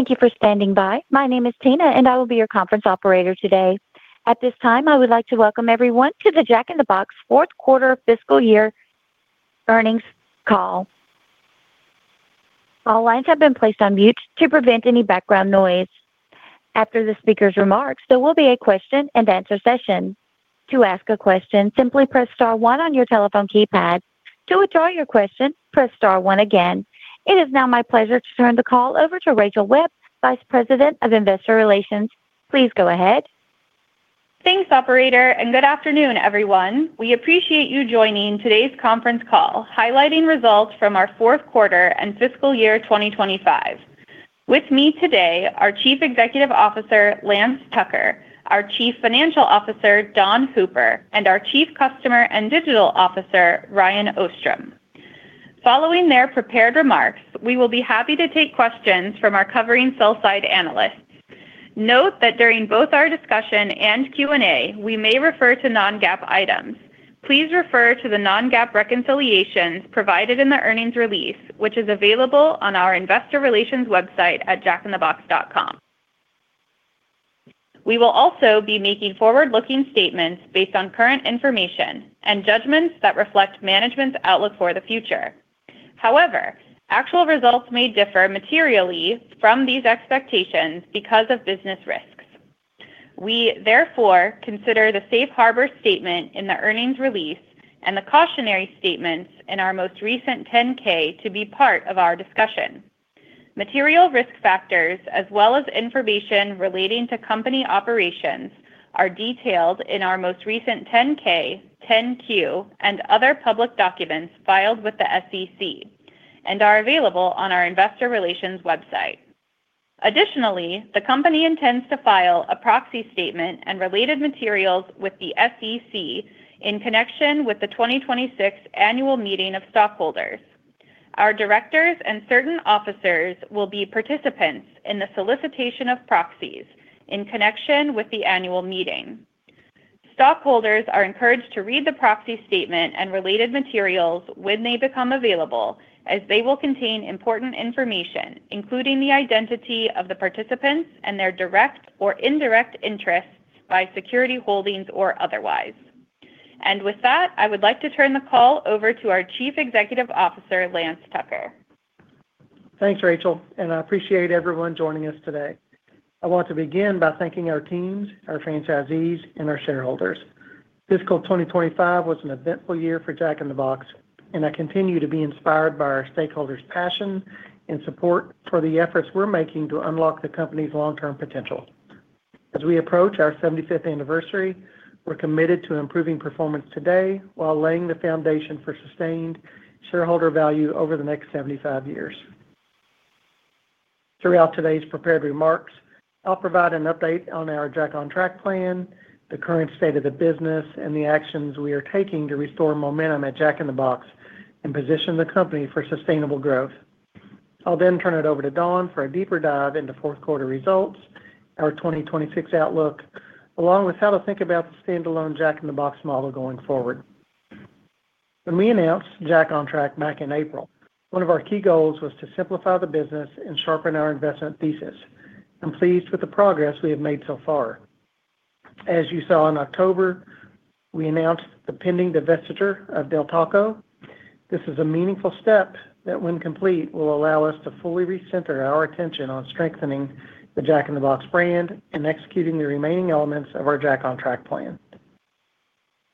Thank you for standing by. My name is Tina, and I will be your conference operator today. At this time, I would like to welcome everyone to the Jack in the Box Fourth Quarter Fiscal Year Earnings Call. All lines have been placed on mute to prevent any background noise. After the speaker's remarks, there will be a question and answer session. To ask a question, simply press star one on your telephone keypad. To withdraw your question, press star one again. It is now my pleasure to turn the call over to Rachel Webb, Vice President of Investor Relations. Please go ahead. Thanks, operator, and good afternoon, everyone. We appreciate you joining today's conference call, highlighting results from our fourth quarter and fiscal year 2025. With me today are Chief Executive Officer Lance Tucker, our Chief Financial Officer Dawn Hooper, and our Chief Customer and Digital Officer Ryan Ostrom. Following their prepared remarks, we will be happy to take questions from our covering sell-side analysts. Note that during both our discussion and Q&A, we may refer to non-GAAP items. Please refer to the non-GAAP reconciliations provided in the earnings release, which is available on our investor relations website at jackinthebox.com. We will also be making forward-looking statements based on current information and judgments that reflect management's outlook for the future. However, actual results may differ materially from these expectations because of business risks. We, therefore, consider the safe harbor statement in the earnings release and the cautionary statements in our most recent 10-K to be part of our discussion. Material risk factors, as well as information relating to company operations, are detailed in our most recent 10-K, 10-Q, and other public documents filed with the SEC and are available on our investor relations website. Additionally, the company intends to file a proxy statement and related materials with the SEC in connection with the 2026 annual meeting of stockholders. Our directors and certain officers will be participants in the solicitation of proxies in connection with the annual meeting. Stockholders are encouraged to read the proxy statement and related materials when they become available, as they will contain important information, including the identity of the participants and their direct or indirect interests by security holdings or otherwise. With that, I would like to turn the call over to our Chief Executive Officer, Lance Tucker. Thanks, Rachel, and I appreciate everyone joining us today. I want to begin by thanking our teams, our franchisees, and our shareholders. Fiscal 2025 was an eventful year for Jack in the Box, and I continue to be inspired by our stakeholders' passion and support for the efforts we're making to unlock the company's long-term potential. As we approach our 75th anniversary, we're committed to improving performance today while laying the foundation for sustained shareholder value over the next 75 years. Throughout today's prepared remarks, I'll provide an update on our Jack on Track plan, the current state of the business, and the actions we are taking to restore momentum at Jack in the Box and position the company for sustainable growth. I'll then turn it over to Dawn for a deeper dive into fourth quarter results, our 2026 outlook, along with how to think about the standalone Jack in the Box model going forward. When we announced Jack on Track back in April, one of our key goals was to simplify the business and sharpen our investment thesis. I'm pleased with the progress we have made so far. As you saw in October, we announced the pending divestiture of Del Taco. This is a meaningful step that, when complete, will allow us to fully recenter our attention on strengthening the Jack in the Box brand and executing the remaining elements of our Jack on Track plan.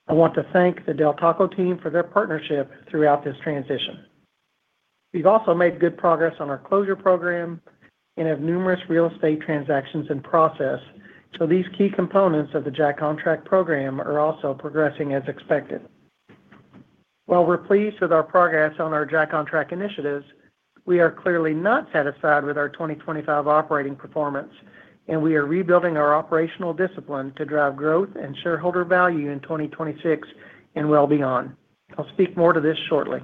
I want to thank the Del Taco Team for their partnership throughout this transition. We've also made good progress on our closure program and have numerous real estate transactions in process, so these key components of the Jack on Track program are also progressing as expected. While we're pleased with our progress on our Jack on Track initiatives, we are clearly not satisfied with our 2025 operating performance, and we are rebuilding our operational discipline to drive growth and shareholder value in 2026 and well beyond. I'll speak more to this shortly.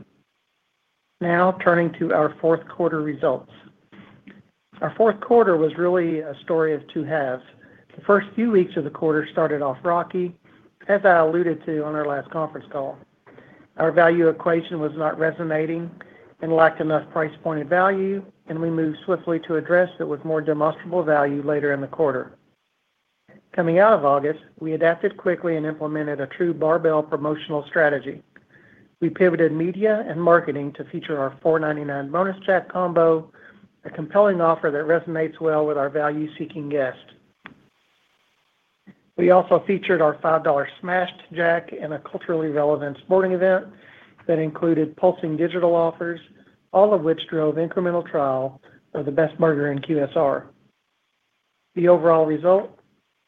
Now, turning to our fourth quarter results. Our fourth quarter was really a story of two halves. The first few weeks of the quarter started off rocky, as I alluded to on our last conference call. Our value equation was not resonating and lacked enough price point of value, and we moved swiftly to address it with more demonstrable value later in the quarter. Coming out of August, we adapted quickly and implemented a true barbell promotional strategy. We pivoted media and marketing to feature our $4.99 Bonus Jack Combo, a compelling offer that resonates well with our value-seeking guest. We also featured our $5 Smashed Jack and a culturally relevant sporting event that included pulsing digital offers, all of which drove incremental trial of the Best Burger in QSR. The overall result?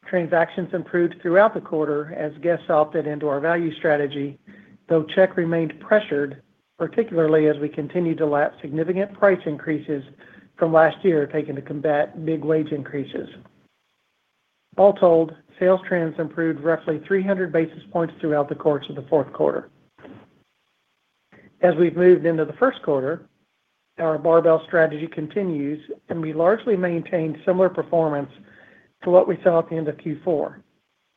Transactions improved throughout the quarter as guests opted into our value strategy, though check remained pressured, particularly as we continued to lap significant price increases from last year taken to combat big wage increases. All told, sales trends improved roughly 300 basis points throughout the course of the fourth quarter. As we've moved into the first quarter, our barbell strategy continues, and we largely maintained similar performance to what we saw at the end of Q4.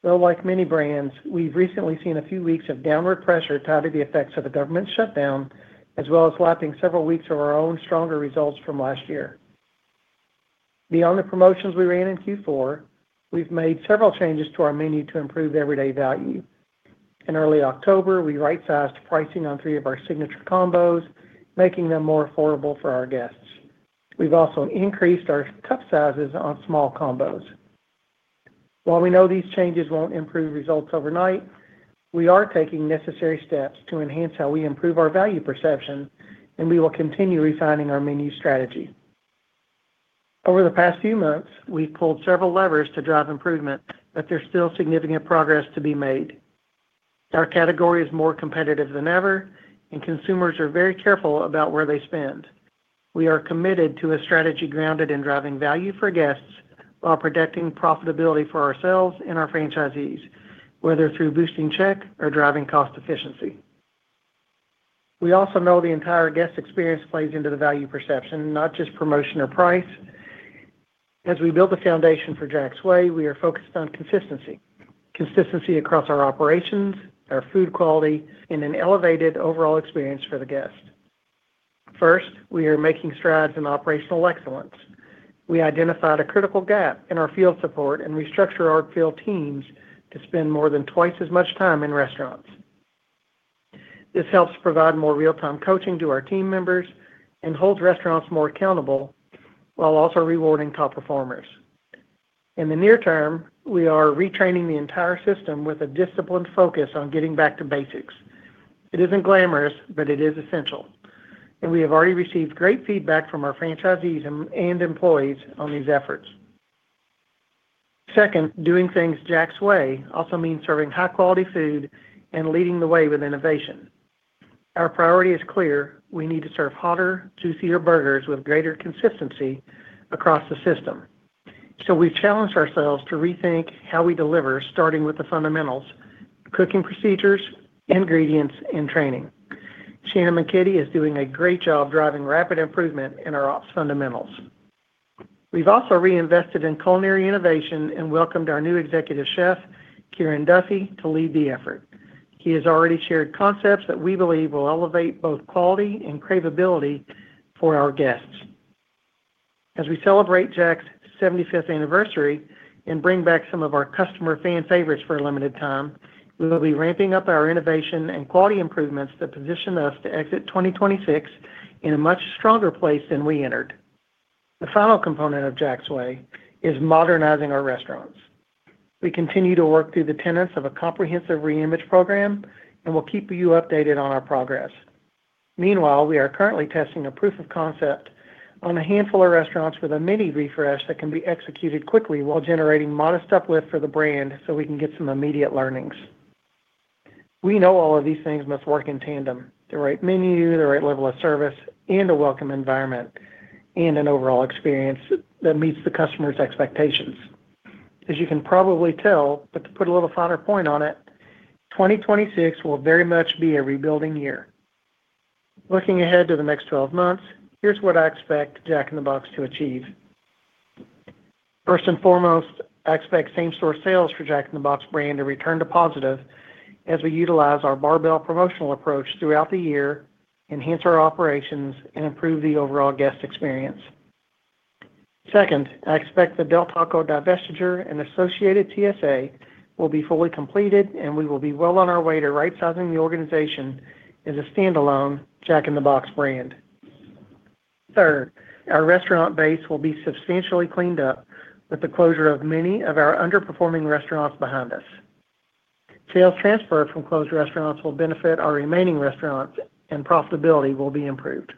Though, like many brands, we've recently seen a few weeks of downward pressure tied to the effects of the government shutdown, as well as lapping several weeks of our own stronger results from last year. Beyond the promotions we ran in Q4, we've made several changes to our menu to improve everyday value. In early October, we right-sized pricing on three of our signature combos, making them more affordable for our guests. We've also increased our cup sizes on small combos. While we know these changes won't improve results overnight, we are taking necessary steps to enhance how we improve our value perception, and we will continue refining our menu strategy. Over the past few months, we've pulled several levers to drive improvement, but there's still significant progress to be made. Our category is more competitive than ever, and consumers are very careful about where they spend. We are committed to a strategy grounded in driving value for guests while protecting profitability for ourselves and our franchisees, whether through boosting check or driving cost efficiency. We also know the entire guest experience plays into the value perception, not just promotion or price. As we build the foundation for Jack's Way, we are focused on consistency. Consistency across our operations, our food quality, and an elevated overall experience for the guest. First, we are making strides in operational excellence. We identified a critical gap in our field support and restructured our field teams to spend more than twice as much time in restaurants. This helps provide more real-time coaching to our team members and holds restaurants more accountable while also rewarding top performers. In the near term, we are retraining the entire system with a disciplined focus on getting back to basics. It is not glamorous, but it is essential. We have already received great feedback from our franchisees and employees on these efforts. Second, doing things Jack's Way also means serving high-quality food and leading the way with innovation. Our priority is clear. We need to serve hotter, juicier burgers with greater consistency across the system. We have challenged ourselves to rethink how we deliver, starting with the fundamentals, cooking procedures, ingredients, and training. Shannon McKinney is doing a great job driving rapid improvement in our ops fundamentals. We have also reinvested in culinary innovation and welcomed our new Executive Chef, Kieran Duffy, to lead the effort. He has already shared concepts that we believe will elevate both quality and craveability for our guests. As we celebrate Jack's 75th anniversary and bring back some of our customer fan favorites for a limited time, we will be ramping up our innovation and quality improvements that position us to exit 2026 in a much stronger place than we entered. The final component of Jack's Way is modernizing our restaurants. We continue to work through the tenets of a comprehensive reimage program and will keep you updated on our progress. Meanwhile, we are currently testing a proof of concept on a handful of restaurants with a mini refresh that can be executed quickly while generating modest uplift for the brand so we can get some immediate learnings. We know all of these things must work in tandem: the right menu, the right level of service, and a welcome environment and an overall experience that meets the customer's expectations. As you can probably tell, but to put a little finer point on it, 2026 will very much be a rebuilding year. Looking ahead to the next 12 months, here's what I expect Jack in the Box to achieve. First and foremost, I expect same-store sales for Jack in the Box brand to return to positive as we utilize our barbell promotional approach throughout the year, enhance our operations, and improve the overall guest experience. Second, I expect the Del Taco divestiture and associated TSA will be fully completed, and we will be well on our way to right-sizing the organization as a standalone Jack in the Box brand. Third, our restaurant base will be substantially cleaned up with the closure of many of our underperforming restaurants behind us. Sales transfer from closed restaurants will benefit our remaining restaurants, and profitability will be improved.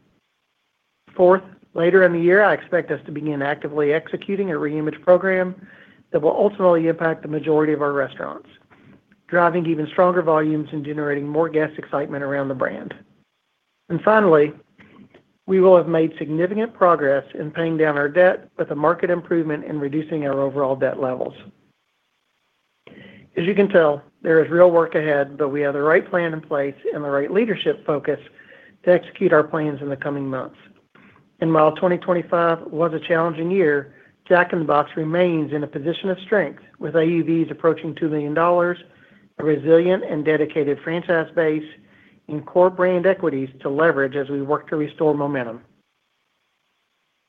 Fourth, later in the year, I expect us to begin actively executing a reimage program that will ultimately impact the majority of our restaurants, driving even stronger volumes and generating more guest excitement around the brand. Finally, we will have made significant progress in paying down our debt with a marked improvement in reducing our overall debt levels. As you can tell, there is real work ahead, but we have the right plan in place and the right leadership focus to execute our plans in the coming months. While 2025 was a challenging year, Jack in the Box remains in a position of strength with AUVs approaching $2 million, a resilient and dedicated franchise base, and core brand equities to leverage as we work to restore momentum.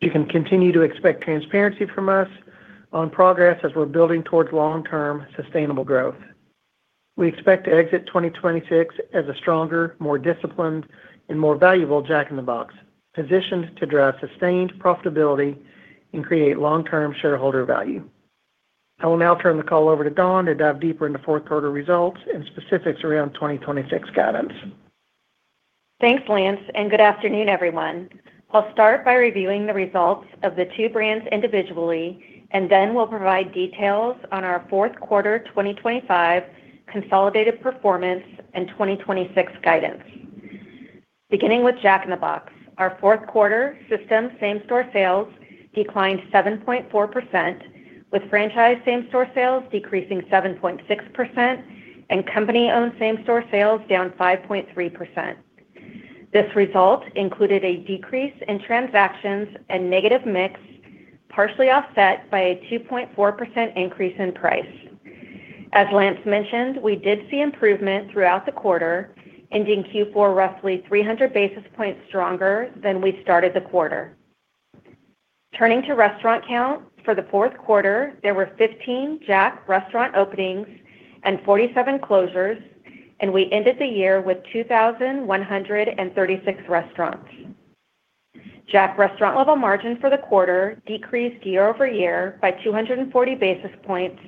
You can continue to expect transparency from us on progress as we're building towards long-term sustainable growth. We expect to exit 2026 as a stronger, more disciplined, and more valuable Jack in the Box, positioned to drive sustained profitability and create long-term shareholder value. I will now turn the call over to Dawn to dive deeper into fourth quarter results and specifics around 2026 guidance. Thanks, Lance, and good afternoon, everyone. I'll start by reviewing the results of the two brands individually, and then we'll provide details on our fourth quarter 2025 consolidated performance and 2026 guidance. Beginning with Jack in the Box, our fourth quarter system same-store sales declined 7.4%, with franchise same-store sales decreasing 7.6% and company-owned same-store sales down 5.3%. This result included a decrease in transactions and negative mix, partially offset by a 2.4% increase in price. As Lance mentioned, we did see improvement throughout the quarter, ending Q4 roughly 300 basis points stronger than we started the quarter. Turning to restaurant count for the fourth quarter, there were 15 Jack restaurant openings and 47 closures, and we ended the year with 2,136 restaurants. Jack restaurant level margin for the quarter decreased year-over-year by 240 basis points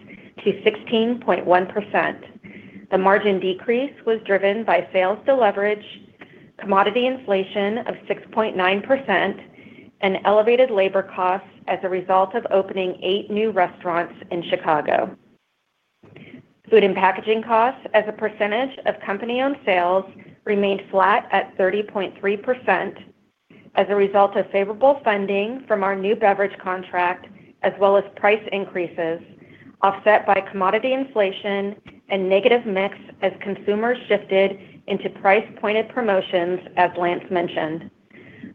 to 16.1%. The margin decrease was driven by sales deleverage, commodity inflation of 6.9%, and elevated labor costs as a result of opening eight new restaurants in Chicago. Food and packaging costs as a percentage of company-owned sales remained flat at 30.3% as a result of favorable funding from our new beverage contract, as well as price increases offset by commodity inflation and negative mix as consumers shifted into price-pointed promotions, as Lance mentioned.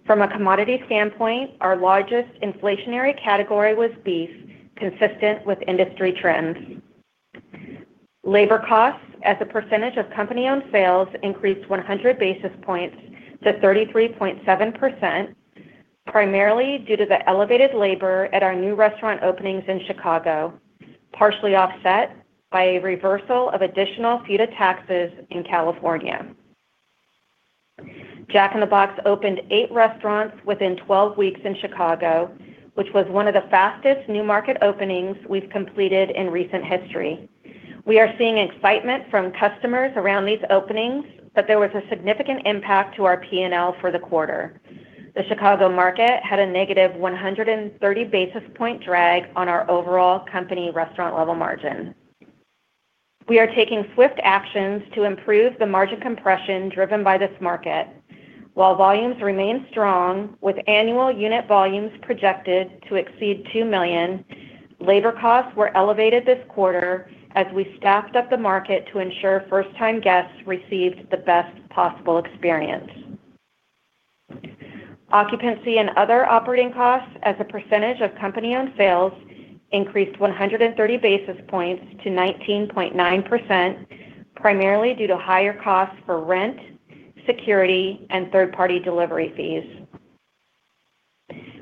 From a commodity standpoint, our largest inflationary category was beef, consistent with industry trends. Labor costs as a percentage of company-owned sales increased 100 basis points to 33.7%, primarily due to the elevated labor at our new restaurant openings in Chicago, partially offset by a reversal of additional fee-to-taxes in California. Jack in the Box opened eight restaurants within 12 weeks in Chicago, which was one of the fastest new market openings we've completed in recent history. We are seeing excitement from customers around these openings, but there was a significant impact to our P&L for the quarter. The Chicago market had a -130 basis point drag on our overall company restaurant level margin. We are taking swift actions to improve the margin compression driven by this market. While volumes remain strong, with annual unit volumes projected to exceed $2 million, labor costs were elevated this quarter as we staffed up the market to ensure first-time guests received the best possible experience. Occupancy and other operating costs as a percentage of company-owned sales increased 130 basis points to 19.9%, primarily due to higher costs for rent, security, and third-party delivery fees.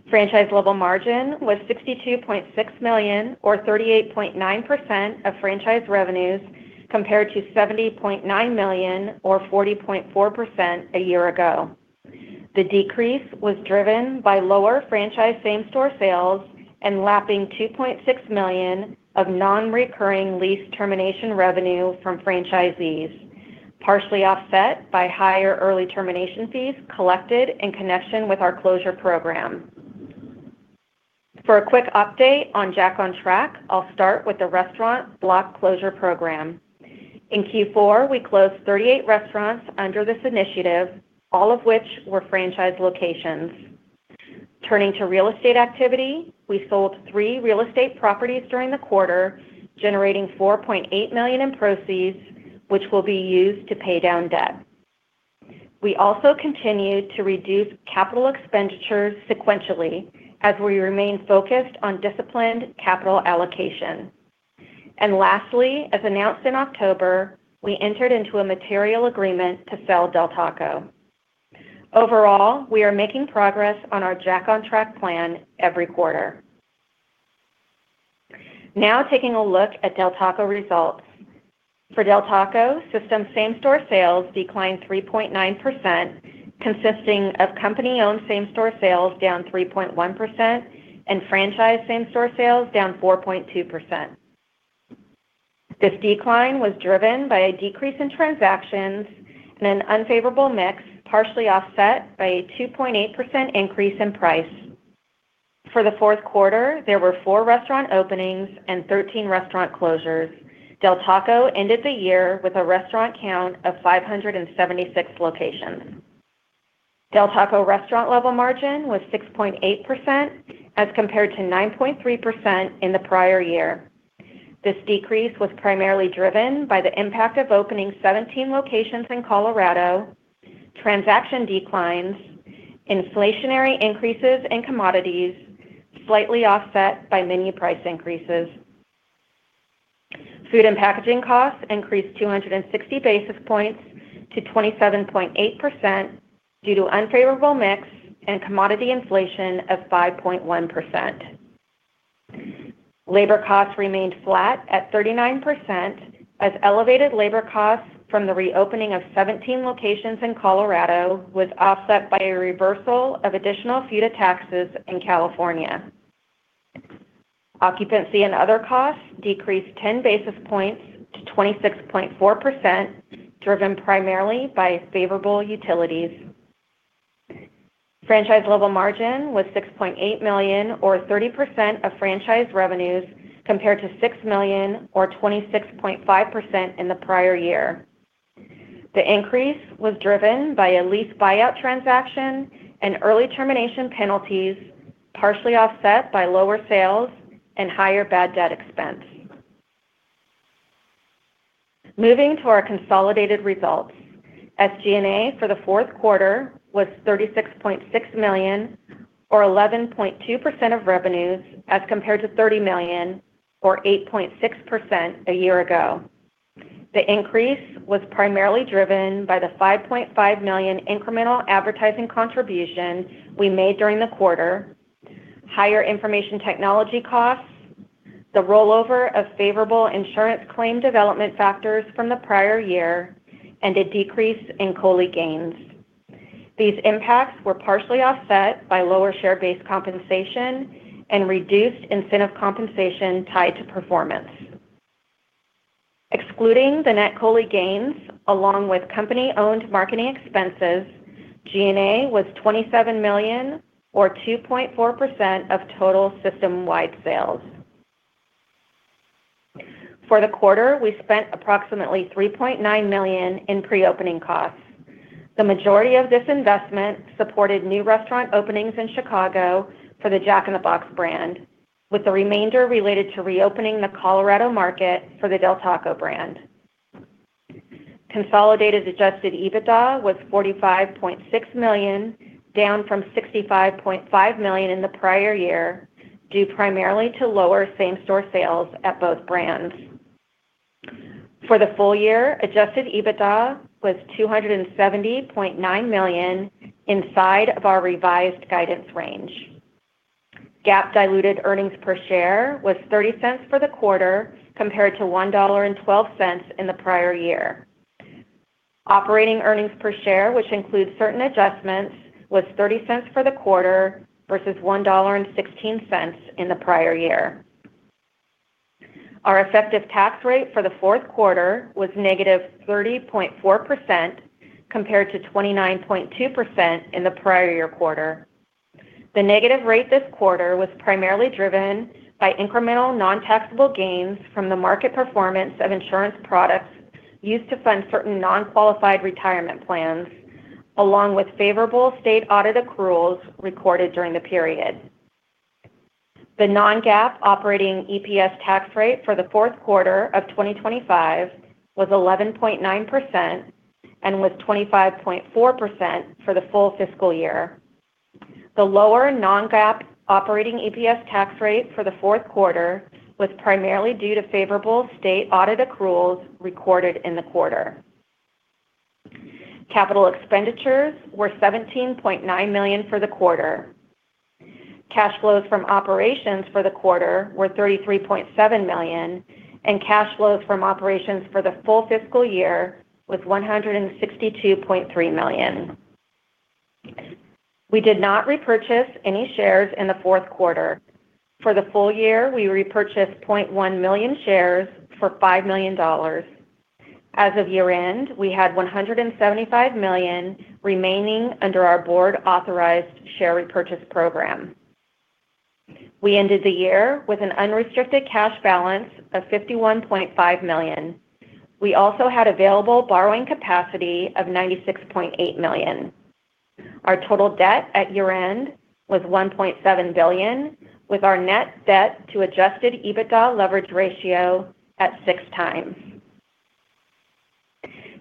Franchise level margin was $62.6 million, or 38.9% of franchise revenues, compared to $70.9 million, or 40.4% a year ago. The decrease was driven by lower franchise same-store sales and lapping $2.6 million of non-recurring lease termination revenue from franchisees, partially offset by higher early termination fees collected in connection with our closure program. For a quick update on Jack on Track, I'll start with the restaurant block closure program. In Q4, we closed 38 restaurants under this initiative, all of which were franchise locations. Turning to real estate activity, we sold three real estate properties during the quarter, generating $4.8 million in proceeds, which will be used to pay down debt. We also continued to reduce capital expenditures sequentially as we remain focused on disciplined capital allocation. Lastly, as announced in October, we entered into a material agreement to sell Del Taco. Overall, we are making progress on our Jack on Track plan every quarter. Now taking a look at Del Taco results. For Del Taco, system same-store sales declined 3.9%, consisting of company-owned same-store sales down 3.1% and franchise same-store sales down 4.2%. This decline was driven by a decrease in transactions and an unfavorable mix, partially offset by a 2.8% increase in price. For the fourth quarter, there were four restaurant openings and 13 restaurant closures. Del Taco ended the year with a restaurant count of 576 locations. Del Taco restaurant level margin was 6.8% as compared to 9.3% in the prior year. This decrease was primarily driven by the impact of opening 17 locations in Colorado, transaction declines, inflationary increases in commodities, slightly offset by menu price increases. Food and packaging costs increased 260 basis points to 27.8% due to unfavorable mix and commodity inflation of 5.1%. Labor costs remained flat at 39% as elevated labor costs from the reopening of 17 locations in Colorado was offset by a reversal of additional fee-to-taxes in California. Occupancy and other costs decreased 10 basis points to 26.4%, driven primarily by favorable utilities. Franchise level margin was $6.8 million, or 30% of franchise revenues, compared to $6 million, or 26.5% in the prior year. The increase was driven by a lease buyout transaction and early termination penalties, partially offset by lower sales and higher bad debt expense. Moving to our consolidated results, SG&A for the fourth quarter was $36.6 million, or 11.2% of revenues, as compared to $30 million, or 8.6% a year ago. The increase was primarily driven by the $5.5 million incremental advertising contribution we made during the quarter, higher information technology costs, the rollover of favorable insurance claim development factors from the prior year, and a decrease in COLI gains. These impacts were partially offset by lower share-based compensation and reduced incentive compensation tied to performance. Excluding the net COLI gains, along with company-owned marketing expenses, G&A was $27 million, or 2.4% of total system-wide sales. For the quarter, we spent approximately $3.9 million in pre-opening costs. The majority of this investment supported new restaurant openings in Chicago for the Jack in the Box brand, with the remainder related to reopening the Colorado market for the Del Taco brand. Consolidated adjusted EBITDA was $45.6 million, down from $65.5 million in the prior year, due primarily to lower same-store sales at both brands. For the full year, adjusted EBITDA was $270.9 million inside of our revised guidance range. GAAP diluted earnings per share was $0.30 for the quarter, compared to $1.12 in the prior year. Operating earnings per share, which includes certain adjustments, was $0.30 for the quarter versus $1.16 in the prior year. Our effective tax rate for the fourth quarter was -30.4%, compared to 29.2% in the prior year quarter. The negative rate this quarter was primarily driven by incremental non-taxable gains from the market performance of insurance products used to fund certain non-qualified retirement plans, along with favorable state audit accruals recorded during the period. The non-GAAP operating EPS tax rate for the fourth quarter of 2025 was 11.9% and was 25.4% for the full fiscal year. The lower non-GAAP operating EPS tax rate for the fourth quarter was primarily due to favorable state audit accruals recorded in the quarter. Capital expenditures were $17.9 million for the quarter. Cash flows from operations for the quarter were $33.7 million, and cash flows from operations for the full fiscal year was $162.3 million. We did not repurchase any shares in the fourth quarter. For the full year, we repurchased 0.1 million shares for $5 million. As of year-end, we had $175 million remaining under our board-authorized share repurchase program. We ended the year with an unrestricted cash balance of $51.5 million. We also had available borrowing capacity of $96.8 million. Our total debt at year-end was $1.7 billion, with our net debt to adjusted EBITDA leverage ratio at six times.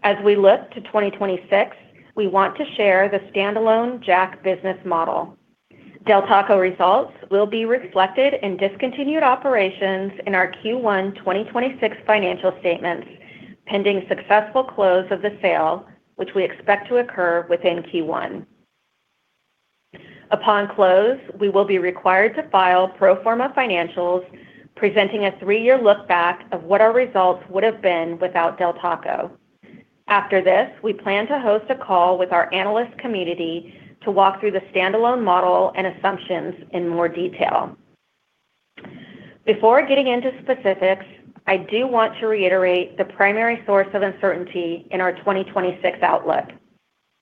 As we look to 2026, we want to share the standalone Jack business model. Del Taco results will be reflected in discontinued operations in our Q1 2026 financial statements, pending successful close of the sale, which we expect to occur within Q1. Upon close, we will be required to file pro forma financials, presenting a three-year look back of what our results would have been without Del Taco. After this, we plan to host a call with our analyst community to walk through the standalone model and assumptions in more detail. Before getting into specifics, I do want to reiterate the primary source of uncertainty in our 2026 outlook: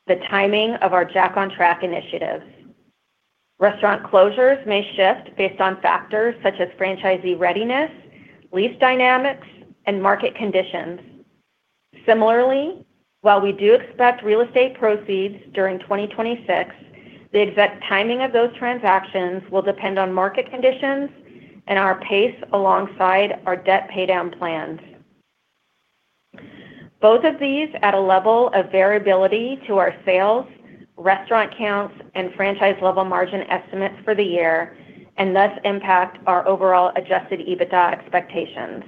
the timing of our Jack on Track initiatives. Restaurant closures may shift based on factors such as franchisee readiness, lease dynamics, and market conditions. Similarly, while we do expect real estate proceeds during 2026, the exact timing of those transactions will depend on market conditions and our pace alongside our debt paydown plans. Both of these add a level of variability to our sales, restaurant counts, and franchise level margin estimates for the year, and thus impact our overall adjusted EBITDA expectations.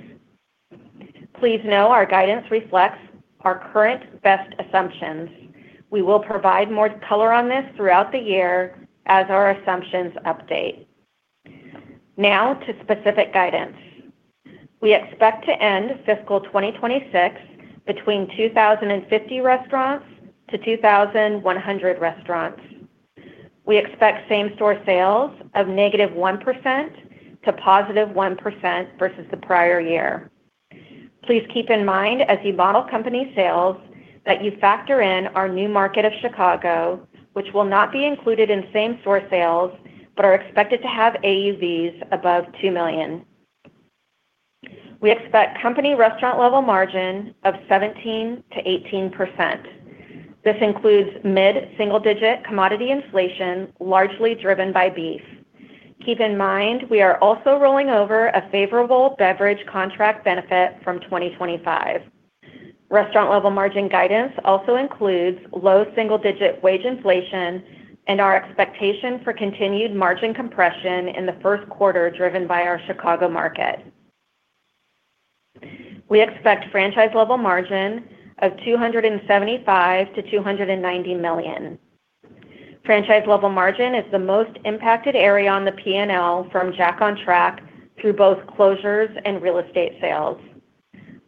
Please know our guidance reflects our current best assumptions. We will provide more color on this throughout the year as our assumptions update. Now to specific guidance. We expect to end fiscal 2026 between 2,050-2,100 restaurants. We expect same-store sales of -1% to +1% versus the prior year. Please keep in mind, as you model company sales, that you factor in our new market of Chicago, which will not be included in same-store sales but are expected to have AUVs above $2 million. We expect company restaurant level margin of 17%-18%. This includes mid-single-digit commodity inflation, largely driven by beef. Keep in mind we are also rolling over a favorable beverage contract benefit from 2025. Restaurant level margin guidance also includes low single-digit wage inflation and our expectation for continued margin compression in the first quarter driven by our Chicago market. We expect franchise level margin of $275 million-$290 million. Franchise level margin is the most impacted area on the P&L from Jack on Track through both closures and real estate sales.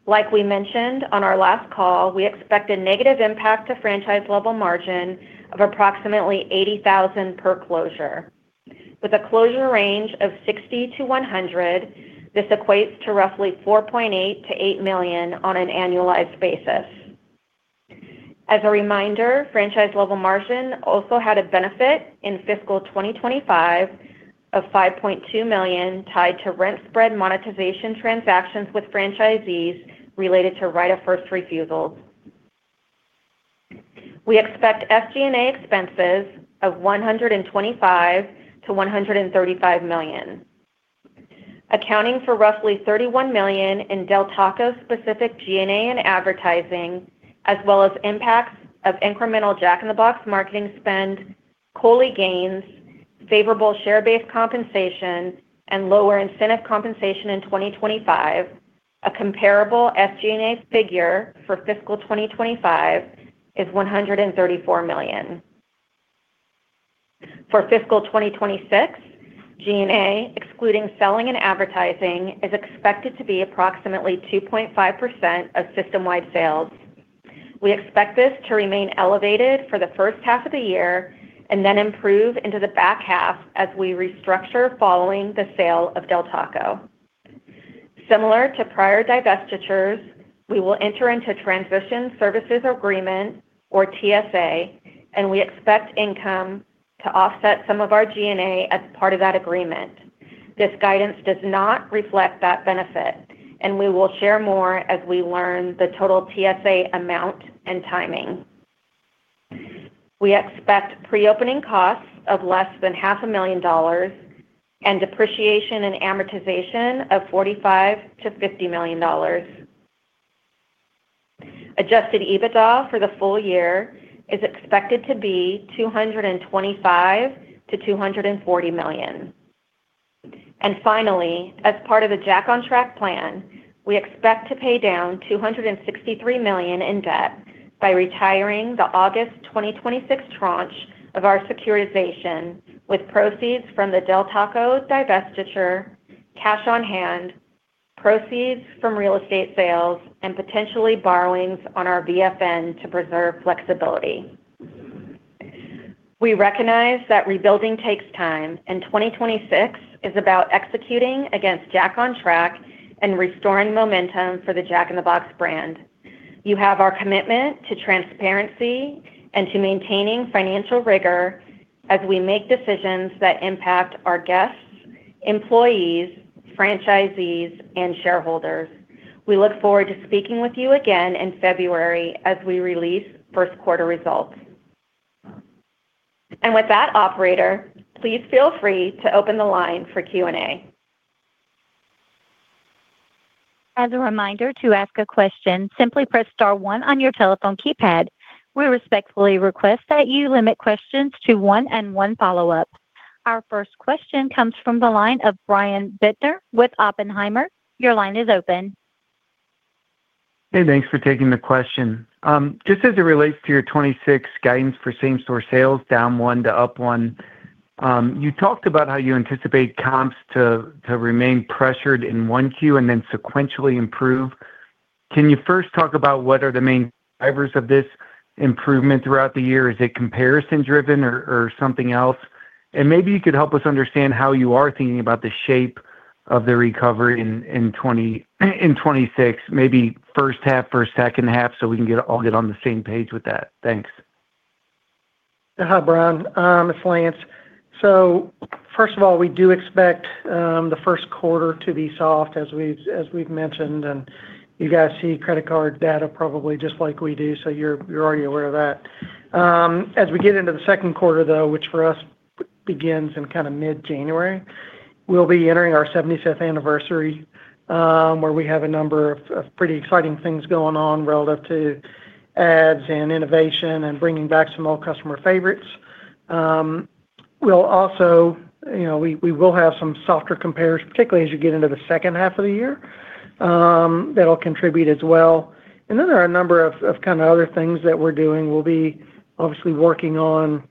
Like we mentioned on our last call, we expect a negative impact to franchise level margin of approximately $80,000 per closure. With a closure range of 60-100, this equates to roughly $4.8 million-$8 million on an annualized basis. As a reminder, franchise level margin also had a benefit in fiscal 2025 of $5.2 million tied to rent spread monetization transactions with franchisees related to right-of-first refusals. We expect SG&A expenses of $125 million-$135 million, accounting for roughly $31 million in Del Taco-specific G&A and advertising, as well as impacts of incremental Jack in the Box marketing spend, COLI gains, favorable share-based compensation, and lower incentive compensation in 2025. A comparable SG&A figure for fiscal 2025 is $134 million. For fiscal 2026, G&A, excluding selling and advertising, is expected to be approximately 2.5% of system-wide sales. We expect this to remain elevated for the first half of the year and then improve into the back half as we restructure following the sale of Del Taco. Similar to prior divestitures, we will enter into a transition services agreement, or TSA, and we expect income to offset some of our G&A as part of that agreement. This guidance does not reflect that benefit, and we will share more as we learn the total TSA amount and timing. We expect pre-opening costs of less than $500,000 and depreciation and amortization of $45 million-$50 million. Adjusted EBITDA for the full year is expected to be $225 million-$240 million. Finally, as part of the Jack on Track plan, we expect to pay down $263 million in debt by retiring the August 2026 tranche of our securitization with proceeds from the Del Taco divestiture, cash on hand, proceeds from real estate sales, and potentially borrowings on our VFN to preserve flexibility. We recognize that rebuilding takes time, and 2026 is about executing against Jack on Track and restoring momentum for the Jack in the Box brand. You have our commitment to transparency and to maintaining financial rigor as we make decisions that impact our guests, employees, franchisees, and shareholders. We look forward to speaking with you again in February as we release first quarter results. With that, operator, please feel free to open the line for Q&A. As a reminder, to ask a question, simply press star one on your telephone keypad. We respectfully request that you limit questions to one and one follow-up. Our first question comes from the line of Brian Bittner with Oppenheimer. Your line is open. Hey, thanks for taking the question. Just as it relates to your 2026 guidance for same-store sales, down one to up one, you talked about how you anticipate comps to remain pressured in one Q and then sequentially improve. Can you first talk about what are the main drivers of this improvement throughout the year? Is it comparison-driven or something else? Maybe you could help us understand how you are thinking about the shape of the recovery in 2026, maybe first half or second half, so we can all get on the same page with that. Thanks. Hi, Brian. It's Lance. First of all, we do expect the first quarter to be soft, as we've mentioned, and you guys see credit card data probably just like we do, so you're already aware of that. As we get into the second quarter, which for us begins in kind of mid-January, we'll be entering our 75th anniversary where we have a number of pretty exciting things going on relative to ads and innovation and bringing back some old customer favorites. We will also have some softer comparisons, particularly as you get into the second half of the year, that'll contribute as well. There are a number of kind of other things that we're doing. We'll be obviously working on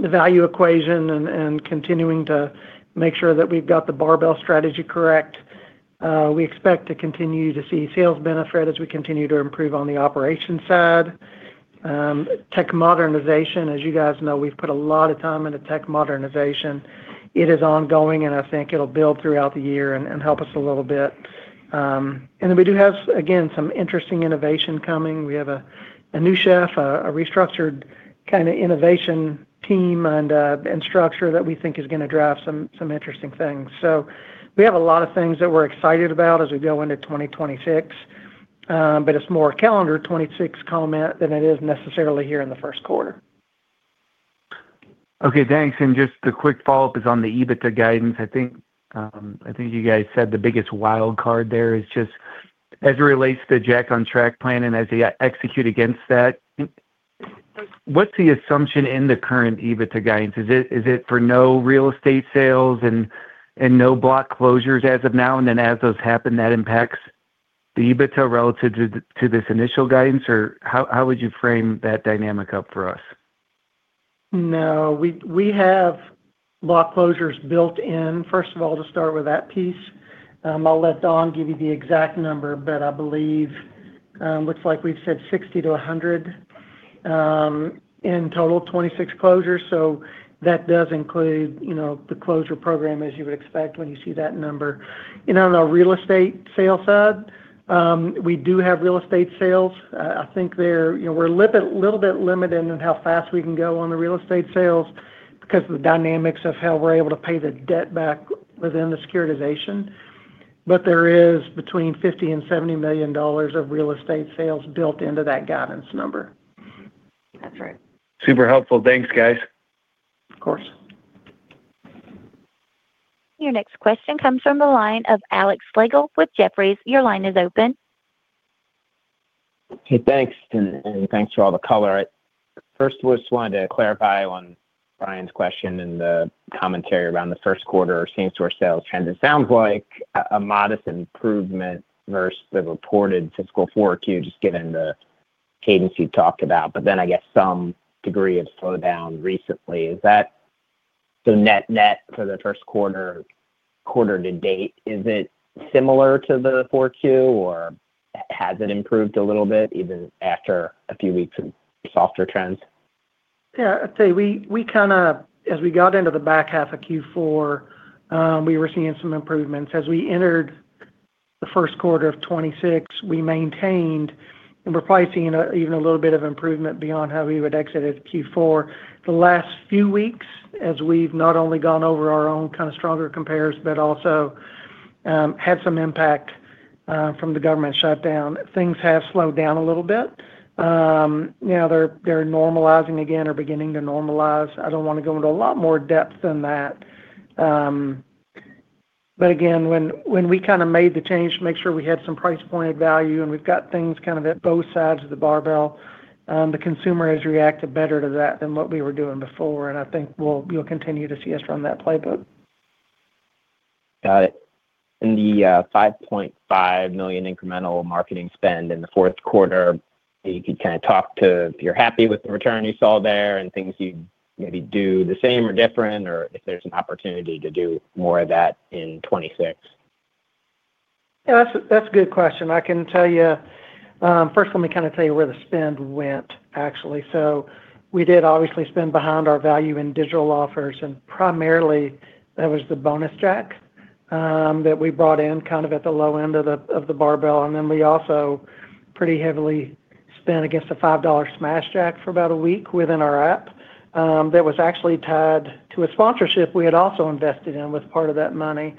the value equation and continuing to make sure that we've got the barbell strategy correct. We expect to continue to see sales benefit as we continue to improve on the operation side. Tech modernization, as you guys know, we've put a lot of time into tech modernization. It is ongoing, and I think it'll build throughout the year and help us a little bit. We do have, again, some interesting innovation coming. We have a new chef, a restructured kind of innovation team and structure that we think is going to drive some interesting things. We have a lot of things that we're excited about as we go into 2026, but it's more calendar 2026 comment than it is necessarily here in the first quarter. Okay, thanks. Just a quick follow-up is on the EBITDA guidance. I think you guys said the biggest wild card there is just as it relates to Jack on Track plan and as you execute against that. What's the assumption in the current EBITDA guidance? Is it for no real estate sales and no block closures as of now? As those happen, that impacts the EBITDA relative to this initial guidance, or how would you frame that dynamic up for us? No, we have block closures built in, first of all, to start with that piece. I'll let Dawn give you the exact number, but I believe it looks like we've said 60-100 in total, 26 closures. That does include the closure program, as you would expect when you see that number. On the real estate sales side, we do have real estate sales. I think we're a little bit limited in how fast we can go on the real estate sales because of the dynamics of how we're able to pay the debt back within the securitization. But there is between $50 million and $70 million of real estate sales built into that guidance number. That's right. Super helpful. Thanks, guys. Of course. Your next question comes from the line of Alex Slagle with Jefferies. Your line is open. Hey, thanks. And thanks for all the color. First, I just wanted to clarify on Brian's question and the commentary around the first quarter or same-store sales trend. It sounds like a modest improvement versus the reported fiscal fourth quarter, just given the cadence you talked about, but then I guess some degree of slowdown recently. Is that the net-net for the first quarter to date? Is it similar to the four Q, or has it improved a little bit even after a few weeks of softer trends? Yeah, I'd say we kind of, as we got into the back half of Q4, we were seeing some improvements. As we entered the first quarter of 2026, we maintained, and we're probably seeing even a little bit of improvement beyond how we would exit at Q4. The last few weeks, as we've not only gone over our own kind of stronger comparisons, but also had some impact from the government shutdown, things have slowed down a little bit. Now they're normalizing again or beginning to normalize. I don't want to go into a lot more depth than that. When we kind of made the change to make sure we had some price-pointed value and we've got things kind of at both sides of the barbell, the consumer has reacted better to that than what we were doing before. I think you'll continue to see us run that playbook. Got it. The $5.5 million incremental marketing spend in the fourth quarter, you could kind of talk to if you're happy with the return you saw there and things you maybe do the same or different, or if there's an opportunity to do more of that in 2026. Yeah, that's a good question. I can tell you, first, let me kind of tell you where the spend went, actually. We did obviously spend behind our value in digital offers, and primarily that was the Bonus Jack that we brought in kind of at the low end of the barbell. We also pretty heavily spent against a $5 Smashed Jack for about a week within our app that was actually tied to a sponsorship we had also invested in with part of that money,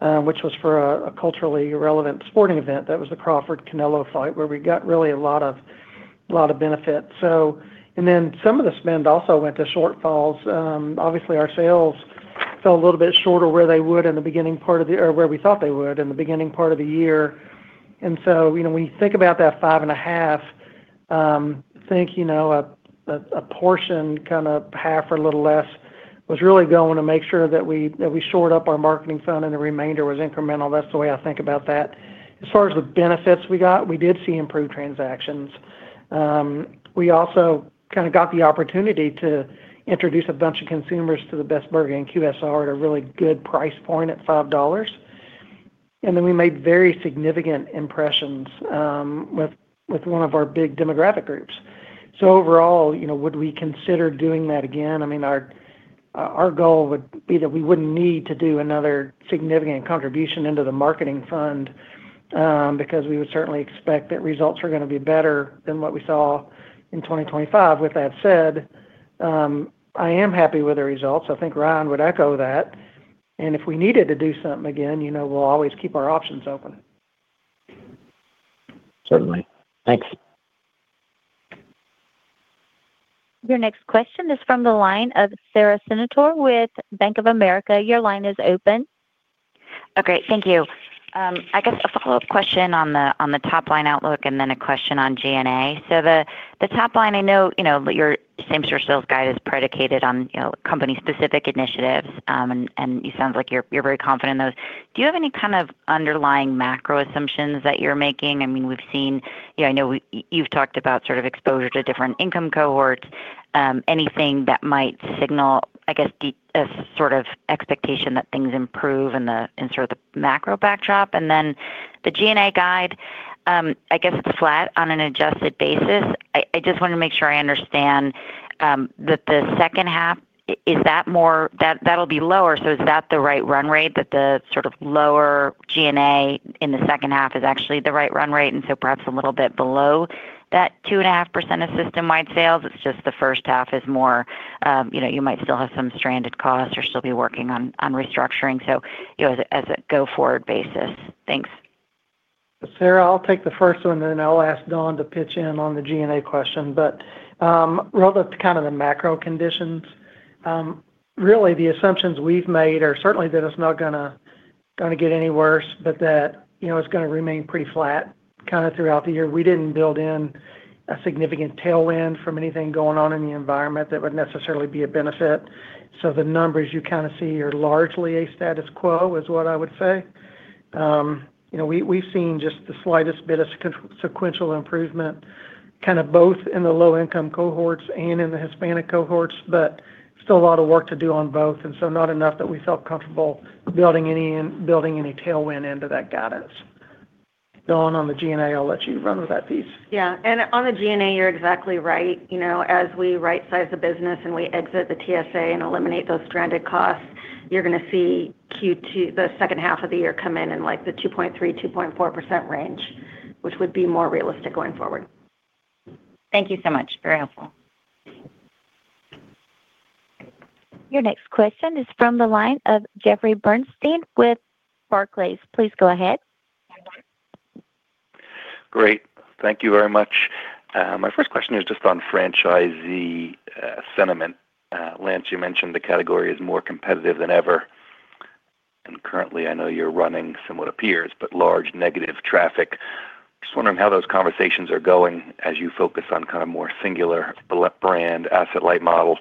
which was for a culturally relevant sporting event. That was the Crawford-Canelo fight, where we got really a lot of benefit. Some of the spend also went to shortfalls. Obviously, our sales fell a little bit shorter where they would in the beginning part of the—or where we thought they would in the beginning part of the year. When you think about that five and a half, I think a portion, kind of half or a little less, was really going to make sure that we shored up our marketing fund and the remainder was incremental. That is the way I think about that. As far as the benefits we got, we did see improved transactions. We also kind of got the opportunity to introduce a bunch of consumers to the Best Burger and QSR at a really good price point at $5. We made very significant impressions with one of our big demographic groups. Overall, would we consider doing that again? I mean, our goal would be that we would not need to do another significant contribution into the marketing fund because we would certainly expect that results are going to be better than what we saw in 2025. With that said, I am happy with the results. I think Ryan would echo that. If we needed to do something again, we'll always keep our options open. Certainly. Thanks. Your next question is from the line of Sara Senatore with Bank of America. Your line is open. Oh, great. Thank you. I guess a follow-up question on the top line outlook and then a question on G&A. The top line, I know your same-store sales guide is predicated on company-specific initiatives, and it sounds like you're very confident in those. Do you have any kind of underlying macro assumptions that you're making? I mean, we've seen—I know you've talked about sort of exposure to different income cohorts, anything that might signal, I guess, a sort of expectation that things improve in sort of the macro backdrop. The G&A guide, I guess it's flat on an adjusted basis. I just want to make sure I understand that the second half, is that more—that'll be lower. Is that the right run rate that the sort of lower G&A in the second half is actually the right run rate? Perhaps a little bit below that 2.5% of system-wide sales. It's just the first half is more—you might still have some stranded costs or still be working on restructuring. As a go-forward basis. Thanks. Sarah, I'll take the first one, and then I'll ask Dawn to pitch in on the G&A question. Relative to kind of the macro conditions, really the assumptions we've made are certainly that it's not going to get any worse, but that it's going to remain pretty flat kind of throughout the year. We did not build in a significant tailwind from anything going on in the environment that would necessarily be a benefit. The numbers you kind of see are largely a status quo, is what I would say. We have seen just the slightest bit of sequential improvement, kind of both in the low-income cohorts and in the Hispanic cohorts, but still a lot of work to do on both. Not enough that we felt comfortable building any tailwind into that guidance. Dawn, on the G&A, I will let you run with that piece. Yeah. On the G&A, you are exactly right. As we right-size the business and we exit the TSA and eliminate those stranded costs, you are going to see the second half of the year come in in the 2.3%-2.4% range, which would be more realistic going forward. Thank you so much. Very helpful. Your next question is from the line of Jeffrey Bernstein with Barclays. Please go ahead. Great. Thank you very much. My first question is just on franchisee sentiment. Lance, you mentioned the category is more competitive than ever. Currently, I know you're running somewhat appears, but large negative traffic. Just wondering how those conversations are going as you focus on kind of more singular brand asset-light models.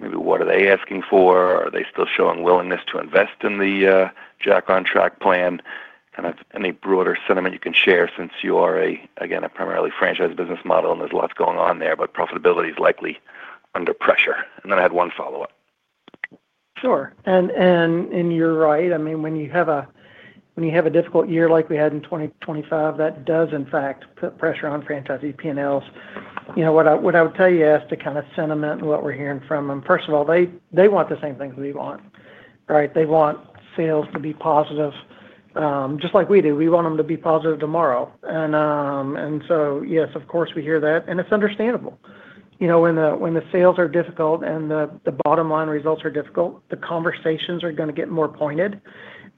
Maybe what are they asking for? Are they still showing willingness to invest in the Jack on Track plan? Kind of any broader sentiment you can share since you are, again, a primarily franchise business model and there's lots going on there, but profitability is likely under pressure. I had one follow-up. Sure. You're right. I mean, when you have a difficult year like we had in 2025, that does, in fact, put pressure on franchisee P&Ls. What I would tell you as to kind of sentiment and what we're hearing from them, first of all, they want the same things we want, right? They want sales to be positive, just like we do. We want them to be positive tomorrow. Yes, of course, we hear that. It is understandable. When the sales are difficult and the bottom-line results are difficult, the conversations are going to get more pointed.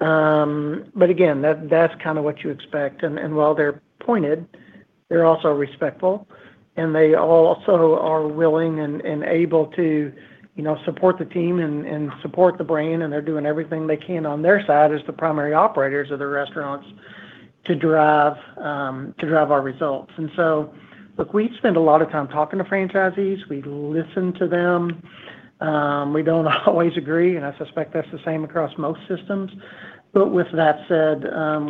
Again, that's kind of what you expect. While they're pointed, they're also respectful, and they also are willing and able to support the team and support the brand. They are doing everything they can on their side as the primary operators of the restaurants to drive our results. Look, we spend a lot of time talking to franchisees. We listen to them. We do not always agree, and I suspect that is the same across most systems. With that said,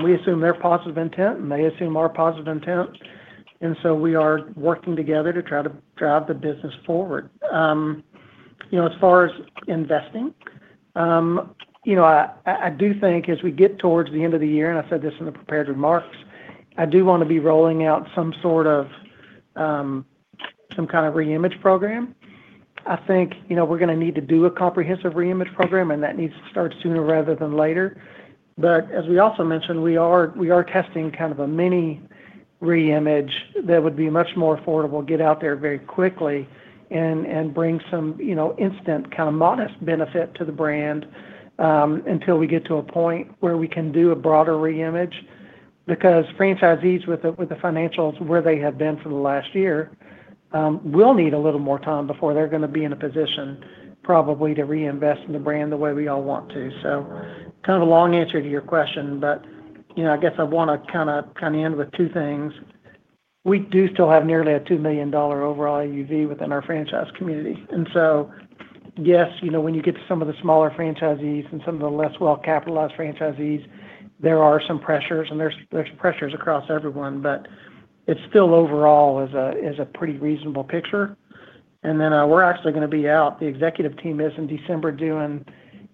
we assume their positive intent, and they assume our positive intent. We are working together to try to drive the business forward. As far as investing, I do think as we get towards the end of the year, and I said this in the prepared remarks, I do want to be rolling out some sort of some kind of reimage program. I think we are going to need to do a comprehensive reimage program, and that needs to start sooner rather than later. As we also mentioned, we are testing kind of a mini reimage that would be much more affordable, get out there very quickly, and bring some instant kind of modest benefit to the brand until we get to a point where we can do a broader reimage. Franchisees with the financials where they have been for the last year will need a little more time before they're going to be in a position probably to reinvest in the brand the way we all want to. Kind of a long answer to your question, but I guess I want to end with two things. We do still have nearly a $2 million overall AUV within our franchise community. Yes, when you get to some of the smaller franchisees and some of the less well-capitalized franchisees, there are some pressures, and there's pressures across everyone, but it still overall is a pretty reasonable picture. We're actually going to be out. The Executive Team is in December doing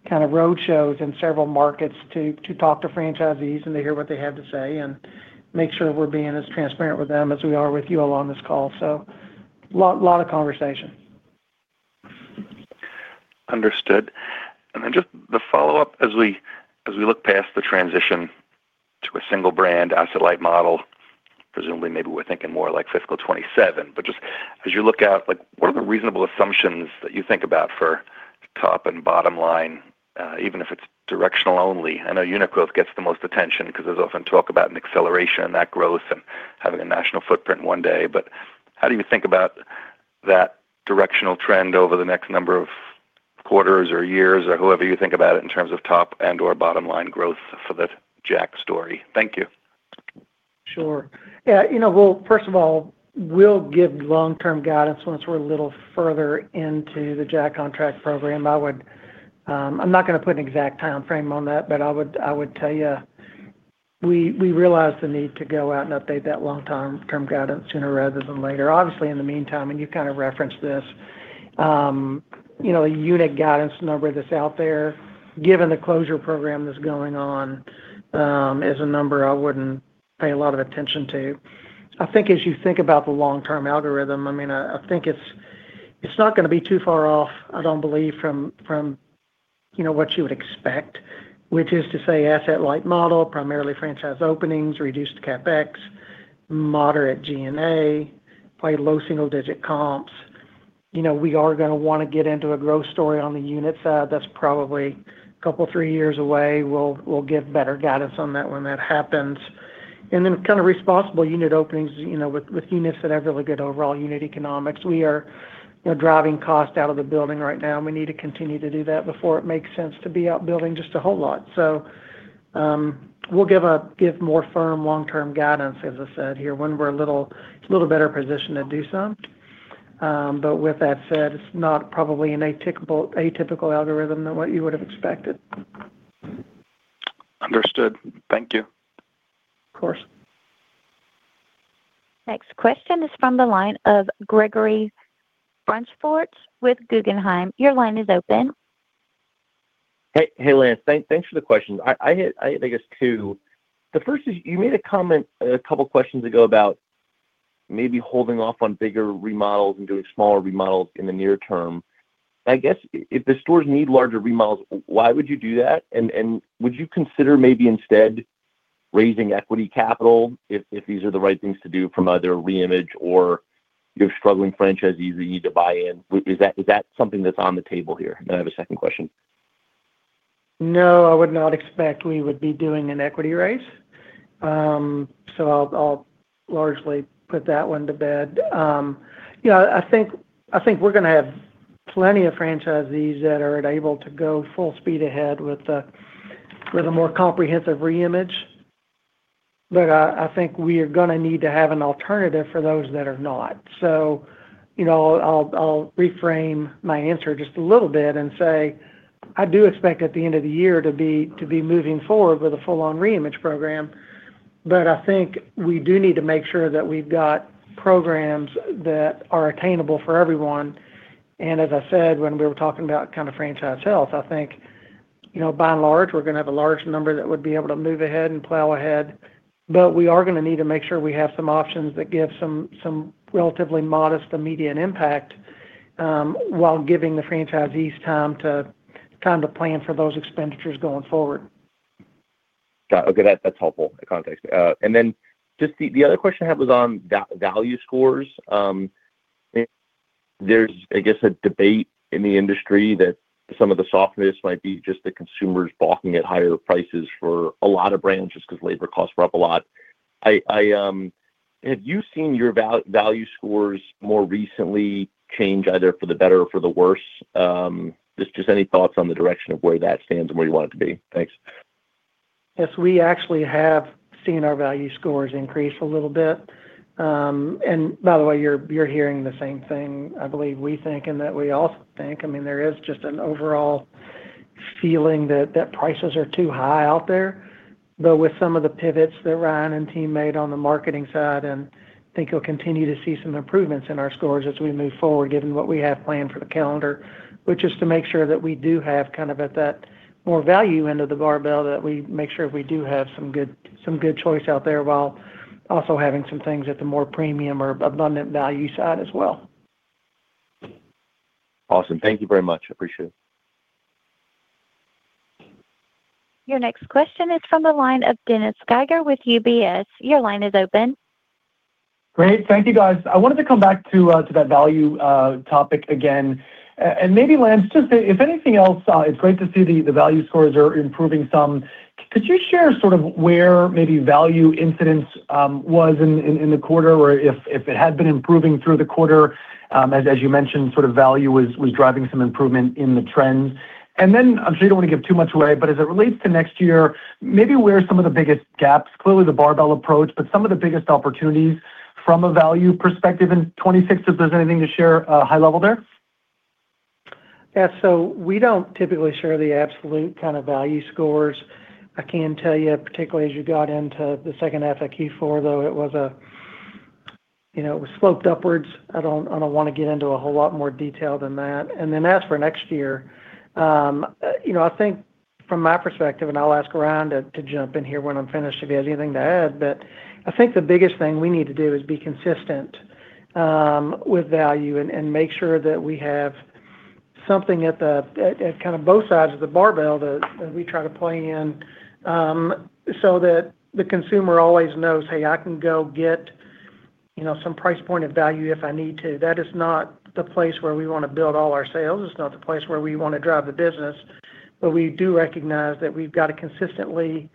kind of roadshows in several markets to talk to franchisees and to hear what they have to say and make sure we're being as transparent with them as we are with you all on this call. A lot of conversation. Understood. And then just the follow-up, as we look past the transition to a single brand asset-light model, presumably maybe we're thinking more like fiscal 2027, but just as you look out, what are the reasonable assumptions that you think about for top and bottom line, even if it's directional only? I know Unicru gets the most attention because there's often talk about an acceleration in that growth and having a national footprint one day. How do you think about that directional trend over the next number of quarters or years, or however you think about it in terms of top and/or bottom line growth for the Jack story? Thank you. Sure. Yeah. First of all, we'll give long-term guidance once we're a little further into the Jack on Track program. I'm not going to put an exact time frame on that, but I would tell you we realize the need to go out and update that long-term guidance sooner rather than later. Obviously, in the meantime, and you kind of referenced this, the unit guidance number that's out there, given the closure program that's going on, is a number I wouldn't pay a lot of attention to. I think as you think about the long-term algorithm, I mean, I think it's not going to be too far off, I don't believe, from what you would expect, which is to say asset-light model, primarily franchise openings, reduced CapEx, moderate G&A, probably low single-digit comps. We are going to want to get into a growth story on the unit side. That's probably a couple of three years away. We'll give better guidance on that when that happens. Kind of responsible unit openings with units that have really good overall unit economics. We are driving cost out of the building right now, and we need to continue to do that before it makes sense to be out building just a whole lot. We'll give more firm long-term guidance, as I said, here when we're a little better positioned to do so. With that said, it's not probably an atypical algorithm than what you would have expected. Understood. Thank you. Of course. Next question is from the line of Gregory Francfort with Guggenheim. Your line is open. Hey, Lance. Thanks for the question. I had, I guess, two. The first is you made a comment a couple of questions ago about maybe holding off on bigger remodels and doing smaller remodels in the near term. I guess if the stores need larger remodels, why would you do that? Would you consider maybe instead raising equity capital if these are the right things to do from either reimage or you have struggling franchisees that you need to buy in? Is that something that's on the table here? I have a second question. No, I would not expect we would be doing an equity raise. I'll largely put that one to bed. I think we're going to have plenty of franchisees that are able to go full speed ahead with a more comprehensive reimage. I think we are going to need to have an alternative for those that are not. I'll reframe my answer just a little bit and say I do expect at the end of the year to be moving forward with a full-on reimage program. I think we do need to make sure that we've got programs that are attainable for everyone. As I said, when we were talking about kind of franchise health, I think by and large, we're going to have a large number that would be able to move ahead and plow ahead. We are going to need to make sure we have some options that give some relatively modest immediate impact while giving the franchisees time to plan for those expenditures going forward. Got it. Okay. That's helpful context. The other question I had was on value scores. There's, I guess, a debate in the industry that some of the softness might be just the consumers balking at higher prices for a lot of brands just because labor costs were up a lot. Have you seen your value scores more recently change either for the better or for the worse? Just any thoughts on the direction of where that stands and where you want it to be? Thanks. Yes. We actually have seen our value scores increase a little bit. By the way, you're hearing the same thing, I believe, we think, and that we also think. I mean, there is just an overall feeling that prices are too high out there. With some of the pivots that Ryan and team made on the marketing side, I think you'll continue to see some improvements in our scores as we move forward, given what we have planned for the calendar, which is to make sure that we do have kind of at that more value end of the barbell that we make sure we do have some good choice out there while also having some things at the more premium or abundant value side as well. Awesome. Thank you very much. I appreciate it. Your next question is from the line of Dennis Geiger with UBS. Your line is open. Great. Thank you, guys. I wanted to come back to that value topic again. Maybe, Lance, just if anything else, it's great to see the value scores are improving some. Could you share sort of where maybe value incidence was in the quarter or if it had been improving through the quarter? As you mentioned, sort of value was driving some improvement in the trends. I'm sure you don't want to give too much away, but as it relates to next year, maybe where some of the biggest gaps, clearly the barbell approach, but some of the biggest opportunities from a value perspective in 2026, if there's anything to share high level there? Yeah. We don't typically share the absolute kind of value scores. I can tell you, particularly as you got into the second half of Q4, though, it was sloped upwards. I don't want to get into a whole lot more detail than that. As for next year, I think from my perspective, and I'll ask Ryan to jump in here when I'm finished if he has anything to add, I think the biggest thing we need to do is be consistent with value and make sure that we have something at kind of both sides of the barbell that we try to play in so that the consumer always knows, "Hey, I can go get some price point of value if I need to." That is not the place where we want to build all our sales. It's not the place where we want to drive the business. We do recognize that we've got to consistently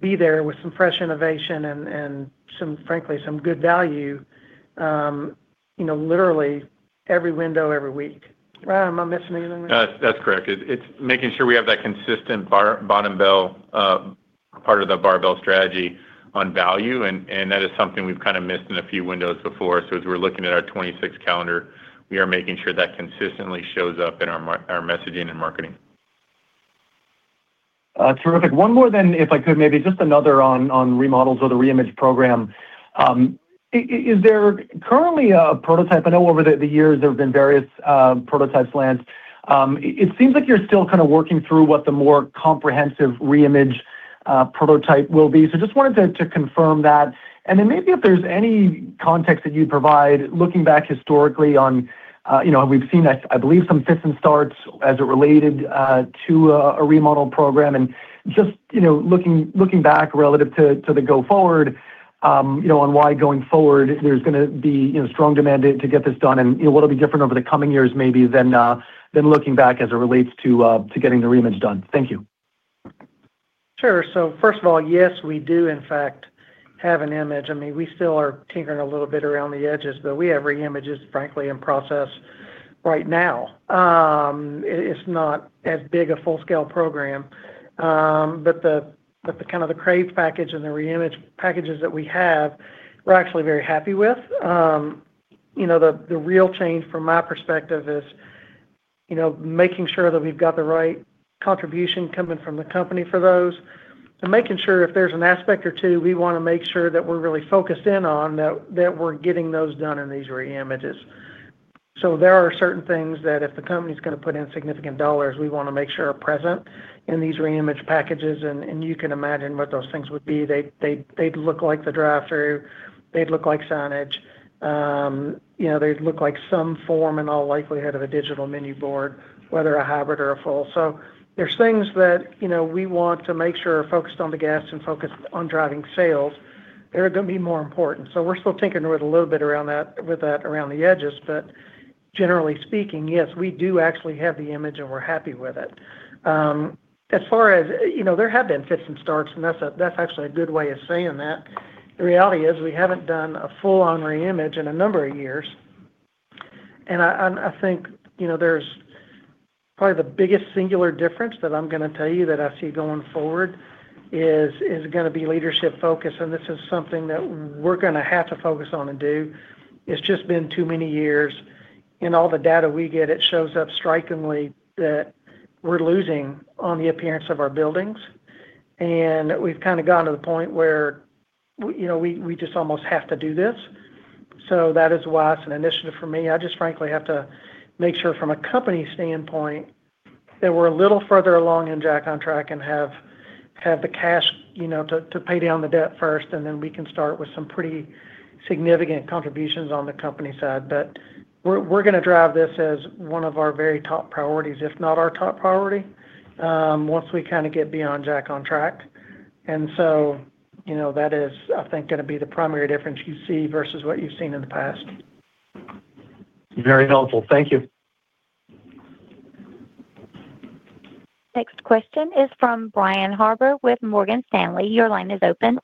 be there with some fresh innovation and, frankly, some good value, literally every window, every week. Right. Am I missing anything? That's correct. It's making sure we have that consistent bottom bell part of the barbell strategy on value. That is something we've kind of missed in a few windows before. As we're looking at our 2026 calendar, we are making sure that consistently shows up in our messaging and marketing. Terrific. One more then, if I could, maybe just another on remodels or the reimage program. Is there currently a prototype? I know over the years, there have been various prototypes, Lance. It seems like you're still kind of working through what the more comprehensive reimage prototype will be. Just wanted to confirm that. Maybe if there's any context that you provide, looking back historically on, we've seen, I believe, some fits and starts as it related to a remodel program. Just looking back relative to the go forward on why going forward, there's going to be strong demand to get this done. What will be different over the coming years maybe than looking back as it relates to getting the reimage done? Thank you. Sure. First of all, yes, we do, in fact, have an image. I mean, we still are tinkering a little bit around the edges, but we have reimages, frankly, in process right now. It's not as big a full-scale program. Kind of the crave package and the reimage packages that we have, we're actually very happy with. The real change from my perspective is making sure that we've got the right contribution coming from the company for those and making sure if there's an aspect or two, we want to make sure that we're really focused in on that we're getting those done in these reimages. There are certain things that if the company's going to put in significant dollars, we want to make sure are present in these reimage packages. You can imagine what those things would be. They'd look like the drive-through. They'd look like signage. They'd look like some form in all likelihood of a digital menu board, whether a hybrid or a full. There are things that we want to make sure are focused on the gas and focused on driving sales. They're going to be more important. We're still tinkering a little bit with that around the edges. Generally speaking, yes, we do actually have the image, and we're happy with it. As far as there have been fits and starts, that's actually a good way of saying that. The reality is we haven't done a full-on reimage in a number of years. I think there's probably the biggest singular difference that I'm going to tell you that I see going forward is going to be leadership focus. This is something that we're going to have to focus on and do. It's just been too many years. All the data we get shows up strikingly that we're losing on the appearance of our buildings. We've kind of gotten to the point where we just almost have to do this. That is why it's an initiative for me. I just, frankly, have to make sure from a company standpoint that we're a little further along in Jack on Track and have the cash to pay down the debt first, and then we can start with some pretty significant contributions on the company side. We're going to drive this as one of our very top priorities, if not our top priority, once we kind of get beyond Jack on Track. That is, I think, going to be the primary difference you see versus what you've seen in the past. Very helpful. Thank you. Next question is from Brian Harbour with Morgan Stanley. Your line is open.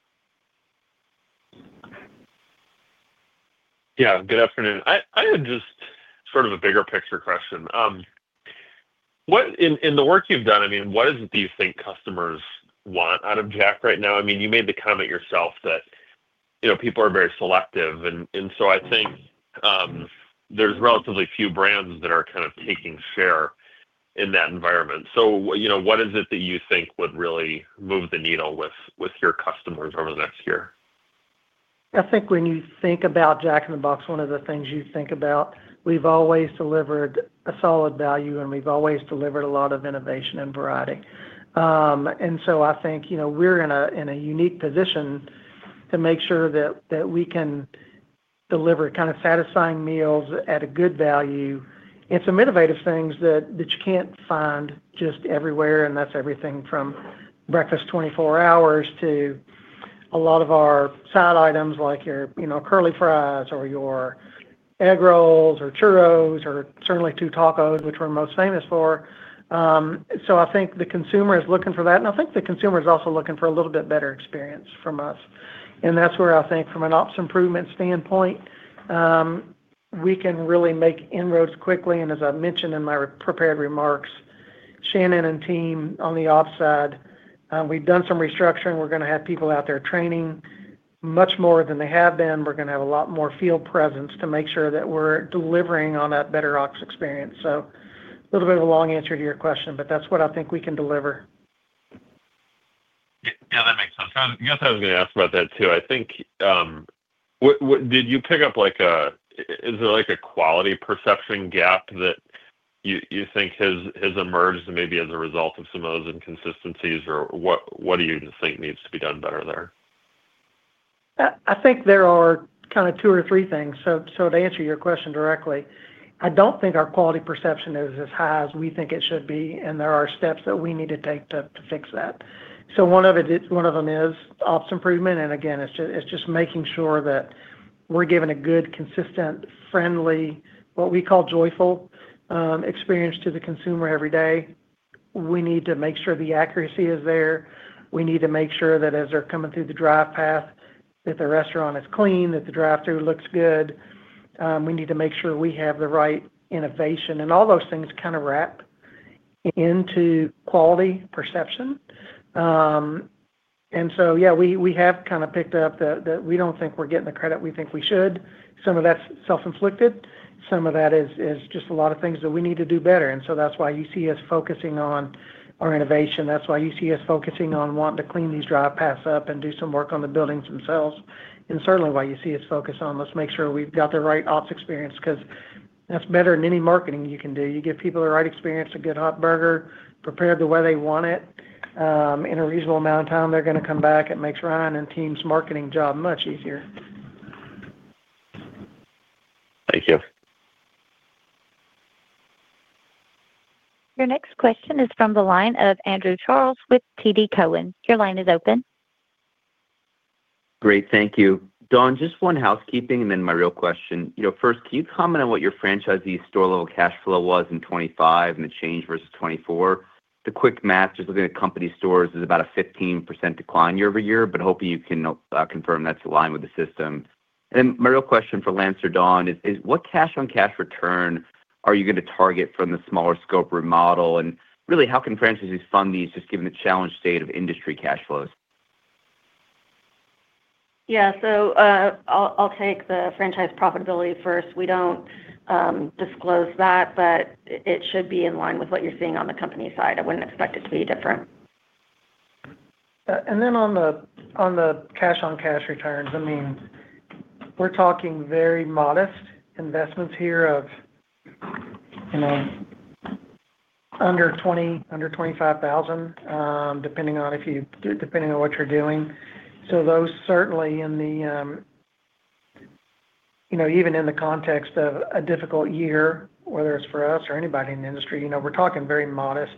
Yeah. Good afternoon. I had just sort of a bigger picture question. In the work you've done, I mean, what is it that you think customers want out of Jack right now? I mean, you made the comment yourself that people are very selective. I think there's relatively few brands that are kind of taking share in that environment. What is it that you think would really move the needle with your customers over the next year? I think when you think about Jack in the Box, one of the things you think about, we've always delivered a solid value, and we've always delivered a lot of innovation and variety. I think we're in a unique position to make sure that we can deliver kind of satisfying meals at a good value. It's some innovative things that you can't find just everywhere. That's everything from Breakfast 24 Hours to a lot of our side items like your curly fries or your egg rolls or churros or certainly two tacos, which we're most famous for. I think the consumer is looking for that. I think the consumer is also looking for a little bit better experience from us. That's where I think from an ops improvement standpoint, we can really make inroads quickly. As I mentioned in my prepared remarks, Shannon and team on the ops side, we've done some restructuring. We're going to have people out there training much more than they have been. We're going to have a lot more field presence to make sure that we're delivering on that better ops experience. A little bit of a long answer to your question, but that's what I think we can deliver. Yeah. That makes sense. I guess I was going to ask about that too. I think did you pick up like a is there like a quality perception gap that you think has emerged maybe as a result of some of those inconsistencies? Or what do you think needs to be done better there? I think there are kind of two or three things. To answer your question directly, I don't think our quality perception is as high as we think it should be. There are steps that we need to take to fix that. One of them is ops improvement. Again, it's just making sure that we're giving a good, consistent, friendly, what we call joyful experience to the consumer every day. We need to make sure the accuracy is there. We need to make sure that as they're coming through the drive path, that the restaurant is clean, that the drive-through looks good. We need to make sure we have the right innovation. All those things kind of wrap into quality perception. Yeah, we have kind of picked up that we don't think we're getting the credit we think we should. Some of that's self-inflicted. Some of that is just a lot of things that we need to do better. That's why you see us focusing on our innovation. That's why you see us focusing on wanting to clean these drive paths up and do some work on the buildings themselves. Certainly, you see us focused on let's make sure we've got the right ops experience because that's better than any marketing you can do. You give people the right experience, a good hot burger, prepare the way they want it. In a reasonable amount of time, they're going to come back. It makes Ryan and team's marketing job much easier. Thank you. Your next question is from the line of Andrew Charles with TD Cowen. Your line is open. Great. Thank you. Dawn, just one housekeeping and then my real question. First, can you comment on what your franchisee store level cash flow was in 2025 and the change versus 2024? The quick math just looking at company stores is about a 15% decline year-over-year, but hoping you can confirm that's aligned with the system. My real question for Lance or Dawn is what cash-on-cash return are you going to target from the smaller scope remodel? How can franchisees fund these just given the challenge state of industry cash flows? Yeah. I'll take the franchise profitability first. We do not disclose that, but it should be in line with what you are seeing on the company side. I would not expect it to be different. On the cash-on-cash returns, I mean, we are talking very modest investments here of under $20,000, under $25,000, depending on what you are doing. Those certainly, even in the context of a difficult year, whether it is for us or anybody in the industry, we are talking very modest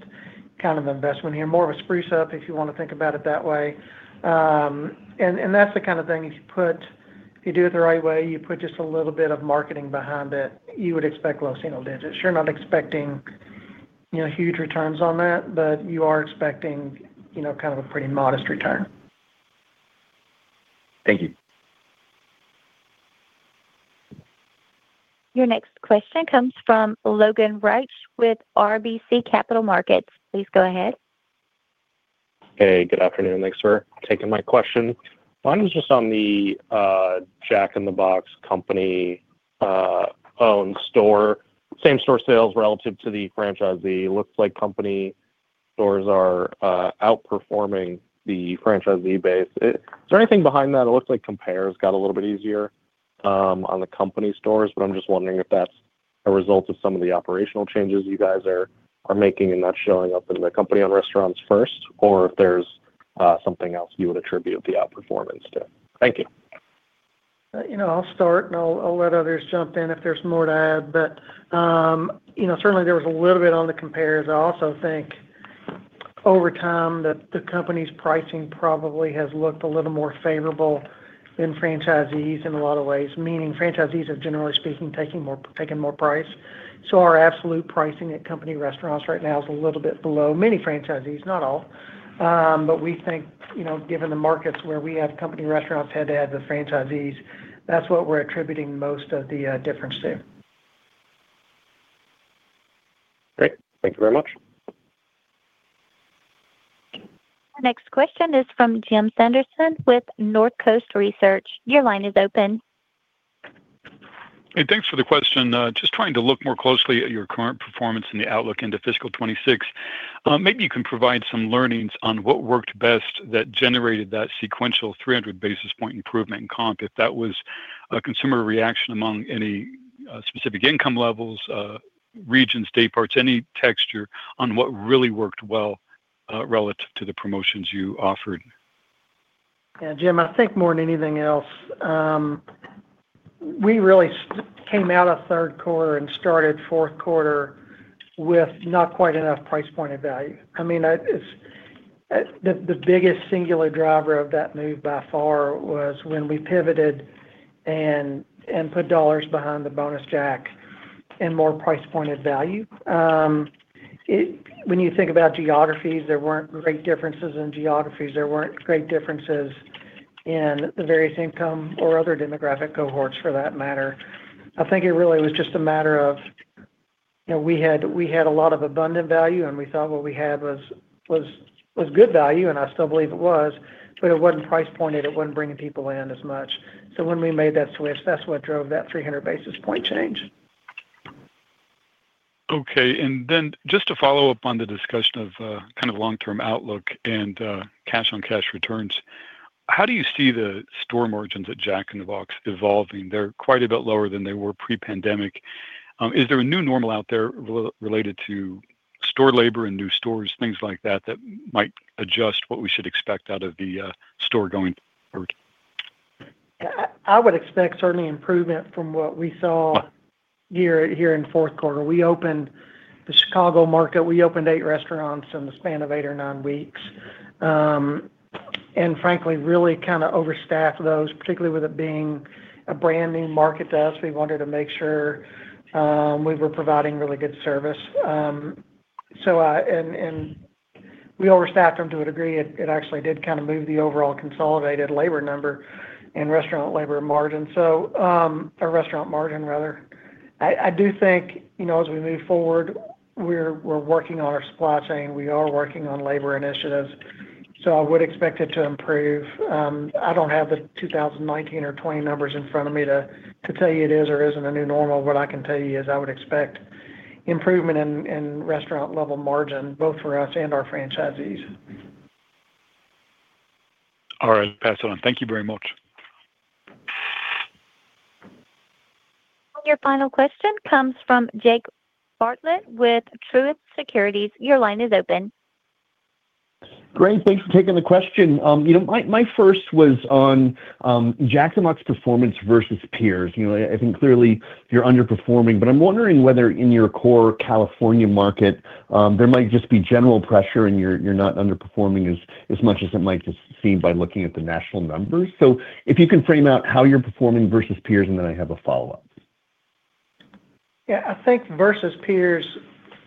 kind of investment here, more of a spruce-up if you want to think about it that way. That is the kind of thing, if you do it the right way, you put just a little bit of marketing behind it, you would expect low single digits. You're not expecting huge returns on that, but you are expecting kind of a pretty modest return. Thank you. Your next question comes from Logan Reich with RBC Capital Markets. Please go ahead. Hey, good afternoon. Thanks for taking my question. Mine was just on the Jack in the Box company-owned store, same store sales relative to the franchisee. It looks like company stores are outperforming the franchisee base. Is there anything behind that? It looks like compare has got a little bit easier on the company stores, but I'm just wondering if that's a result of some of the operational changes you guys are making and not showing up in the company-owned restaurants first, or if there's something else you would attribute the outperformance to. Thank you. I'll start, and I'll let others jump in if there's more to add. Certainly, there was a little bit on the compares. I also think over time that the company's pricing probably has looked a little more favorable in franchisees in a lot of ways, meaning franchisees are generally speaking taking more price. Our absolute pricing at company restaurants right now is a little bit below many franchisees, not all. We think given the markets where we have company restaurants head to head with franchisees, that's what we're attributing most of the difference to. Great. Thank you very much. Next question is from Jim Sanderson with Northcoast Research. Your line is open. Hey, thanks for the question. Just trying to look more closely at your current performance and the outlook into fiscal 2026. Maybe you can provide some learnings on what worked best that generated that sequential 300 basis point improvement in comp if that was a consumer reaction among any specific income levels, regions, state parts, any texture on what really worked well relative to the promotions you offered. Yeah. Jim, I think more than anything else, we really came out of third quarter and started fourth quarter with not quite enough price point of value. I mean, the biggest singular driver of that move by far was when we pivoted and put dollars behind the Bonus Jack and more price point of value. When you think about geographies, there were not great differences in geographies. There were not great differences in the various income or other demographic cohorts for that matter. I think it really was just a matter of we had a lot of abundant value, and we thought what we had was good value. I still believe it was, but it was not price pointed. It was not bringing people in as much. When we made that switch, that is what drove that 300 basis point change. Okay. Just to follow up on the discussion of kind of long-term outlook and cash-on-cash returns, how do you see the store margins at Jack in the Box evolving? They are quite a bit lower than they were pre-pandemic. Is there a new normal out there related to store labor and new stores, things like that, that might adjust what we should expect out of the store going forward? I would expect certainly improvement from what we saw here in fourth quarter. We opened the Chicago market. We opened eight restaurants in the span of eight or nine weeks. Frankly, really kind of overstaffed those, particularly with it being a brand new market to us. We wanted to make sure we were providing really good service. We overstaffed them to a degree. It actually did kind of move the overall consolidated labor number and restaurant labor margin, so our restaurant margin, rather. I do think as we move forward, we're working on our supply chain. We are working on labor initiatives. I would expect it to improve. I do not have the 2019 or 2020 numbers in front of me to tell you it is or is not a new normal. What I can tell you is I would expect improvement in restaurant-level margin, both for us and our franchisees. All right. Pass it on. Thank you very much. Your final question comes from Jake Bartlett from Truist Securities. Your line is open. Great. Thanks for taking the question. My first was on Jack in the Box performance versus peers. I think clearly you're underperforming, but I'm wondering whether in your core California market, there might just be general pressure and you're not underperforming as much as it might just seem by looking at the national numbers. If you can frame out how you're performing versus peers, I have a follow-up. Yeah. I think versus peers,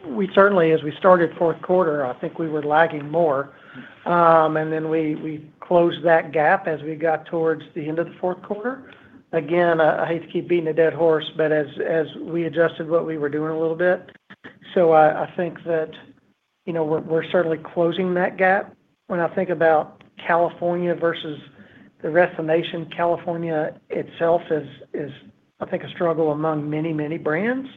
we certainly, as we started fourth quarter, I think we were lagging more. We closed that gap as we got towards the end of the fourth quarter. Again, I hate to keep beating a dead horse, but as we adjusted what we were doing a little bit. I think that we're certainly closing that gap. When I think about California versus the rest of the nation, California itself is, I think, a struggle among many, many brands.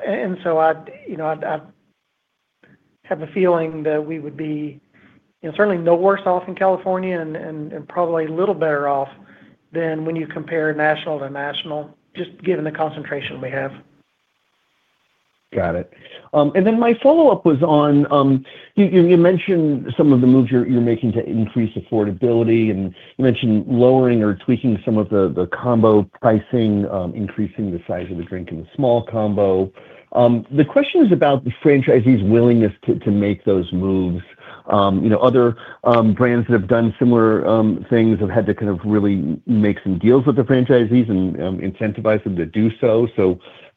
I have a feeling that we would be certainly no worse off in California and probably a little better off than when you compare national to national, just given the concentration we have. Got it. My follow-up was on you mentioned some of the moves you're making to increase affordability, and you mentioned lowering or tweaking some of the combo pricing, increasing the size of the drink in the small combo. The question is about the franchisee's willingness to make those moves. Other brands that have done similar things have had to kind of really make some deals with the franchisees and incentivize them to do so.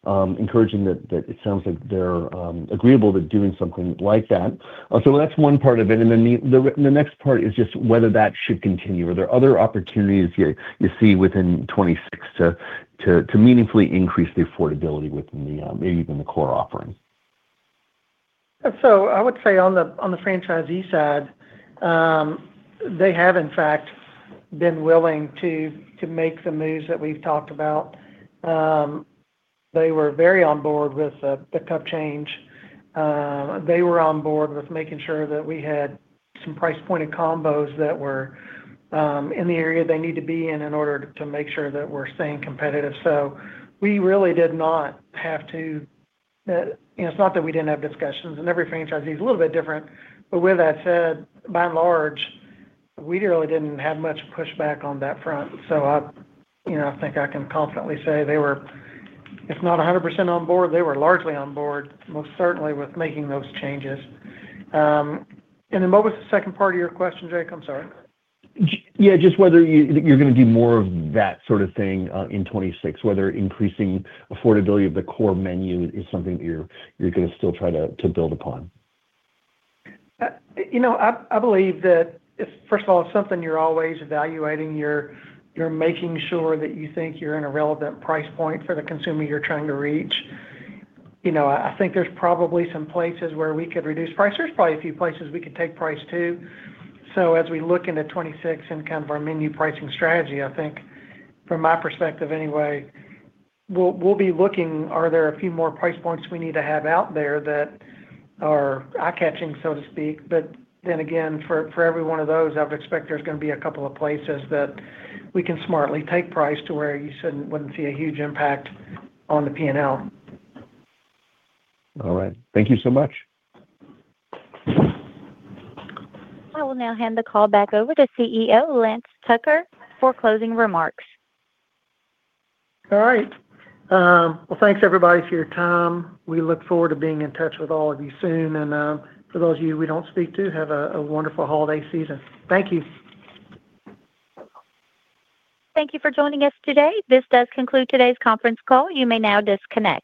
Encouraging that it sounds like they're agreeable to doing something like that. That's one part of it. The next part is just whether that should continue. Are there other opportunities you see within 2026 to meaningfully increase the affordability within even the core offering? I would say on the franchisee side, they have, in fact, been willing to make the moves that we've talked about. They were very on board with the cup change. They were on board with making sure that we had some price pointed combos that were in the area they need to be in in order to make sure that we're staying competitive. We really did not have to, it's not that we didn't have discussions. Every franchisee is a little bit different. With that said, by and large, we really didn't have much pushback on that front. I think I can confidently say they were, if not 100% on board, they were largely on board, most certainly with making those changes. What was the second part of your question, Jake? I'm sorry. Yeah. Just whether you're going to do more of that sort of thing in 2026, whether increasing affordability of the core menu is something that you're going to still try to build upon. I believe that, first of all, it's something you're always evaluating. You're making sure that you think you're in a relevant price point for the consumer you're trying to reach. I think there's probably some places where we could reduce price. There's probably a few places we could take price to. As we look into 2026 and kind of our menu pricing strategy, I think, from my perspective anyway, we'll be looking, are there a few more price points we need to have out there that are eye-catching, so to speak. For every one of those, I would expect there's going to be a couple of places that we can smartly take price to where you wouldn't see a huge impact on the P&L. All right. Thank you so much. I will now hand the call back over to CEO Lance Tucker for closing remarks. All right. Thanks, everybody, for your time. We look forward to being in touch with all of you soon. For those of you we don't speak to, have a wonderful holiday season. Thank you. Thank you for joining us today. This does conclude today's conference call. You may now disconnect.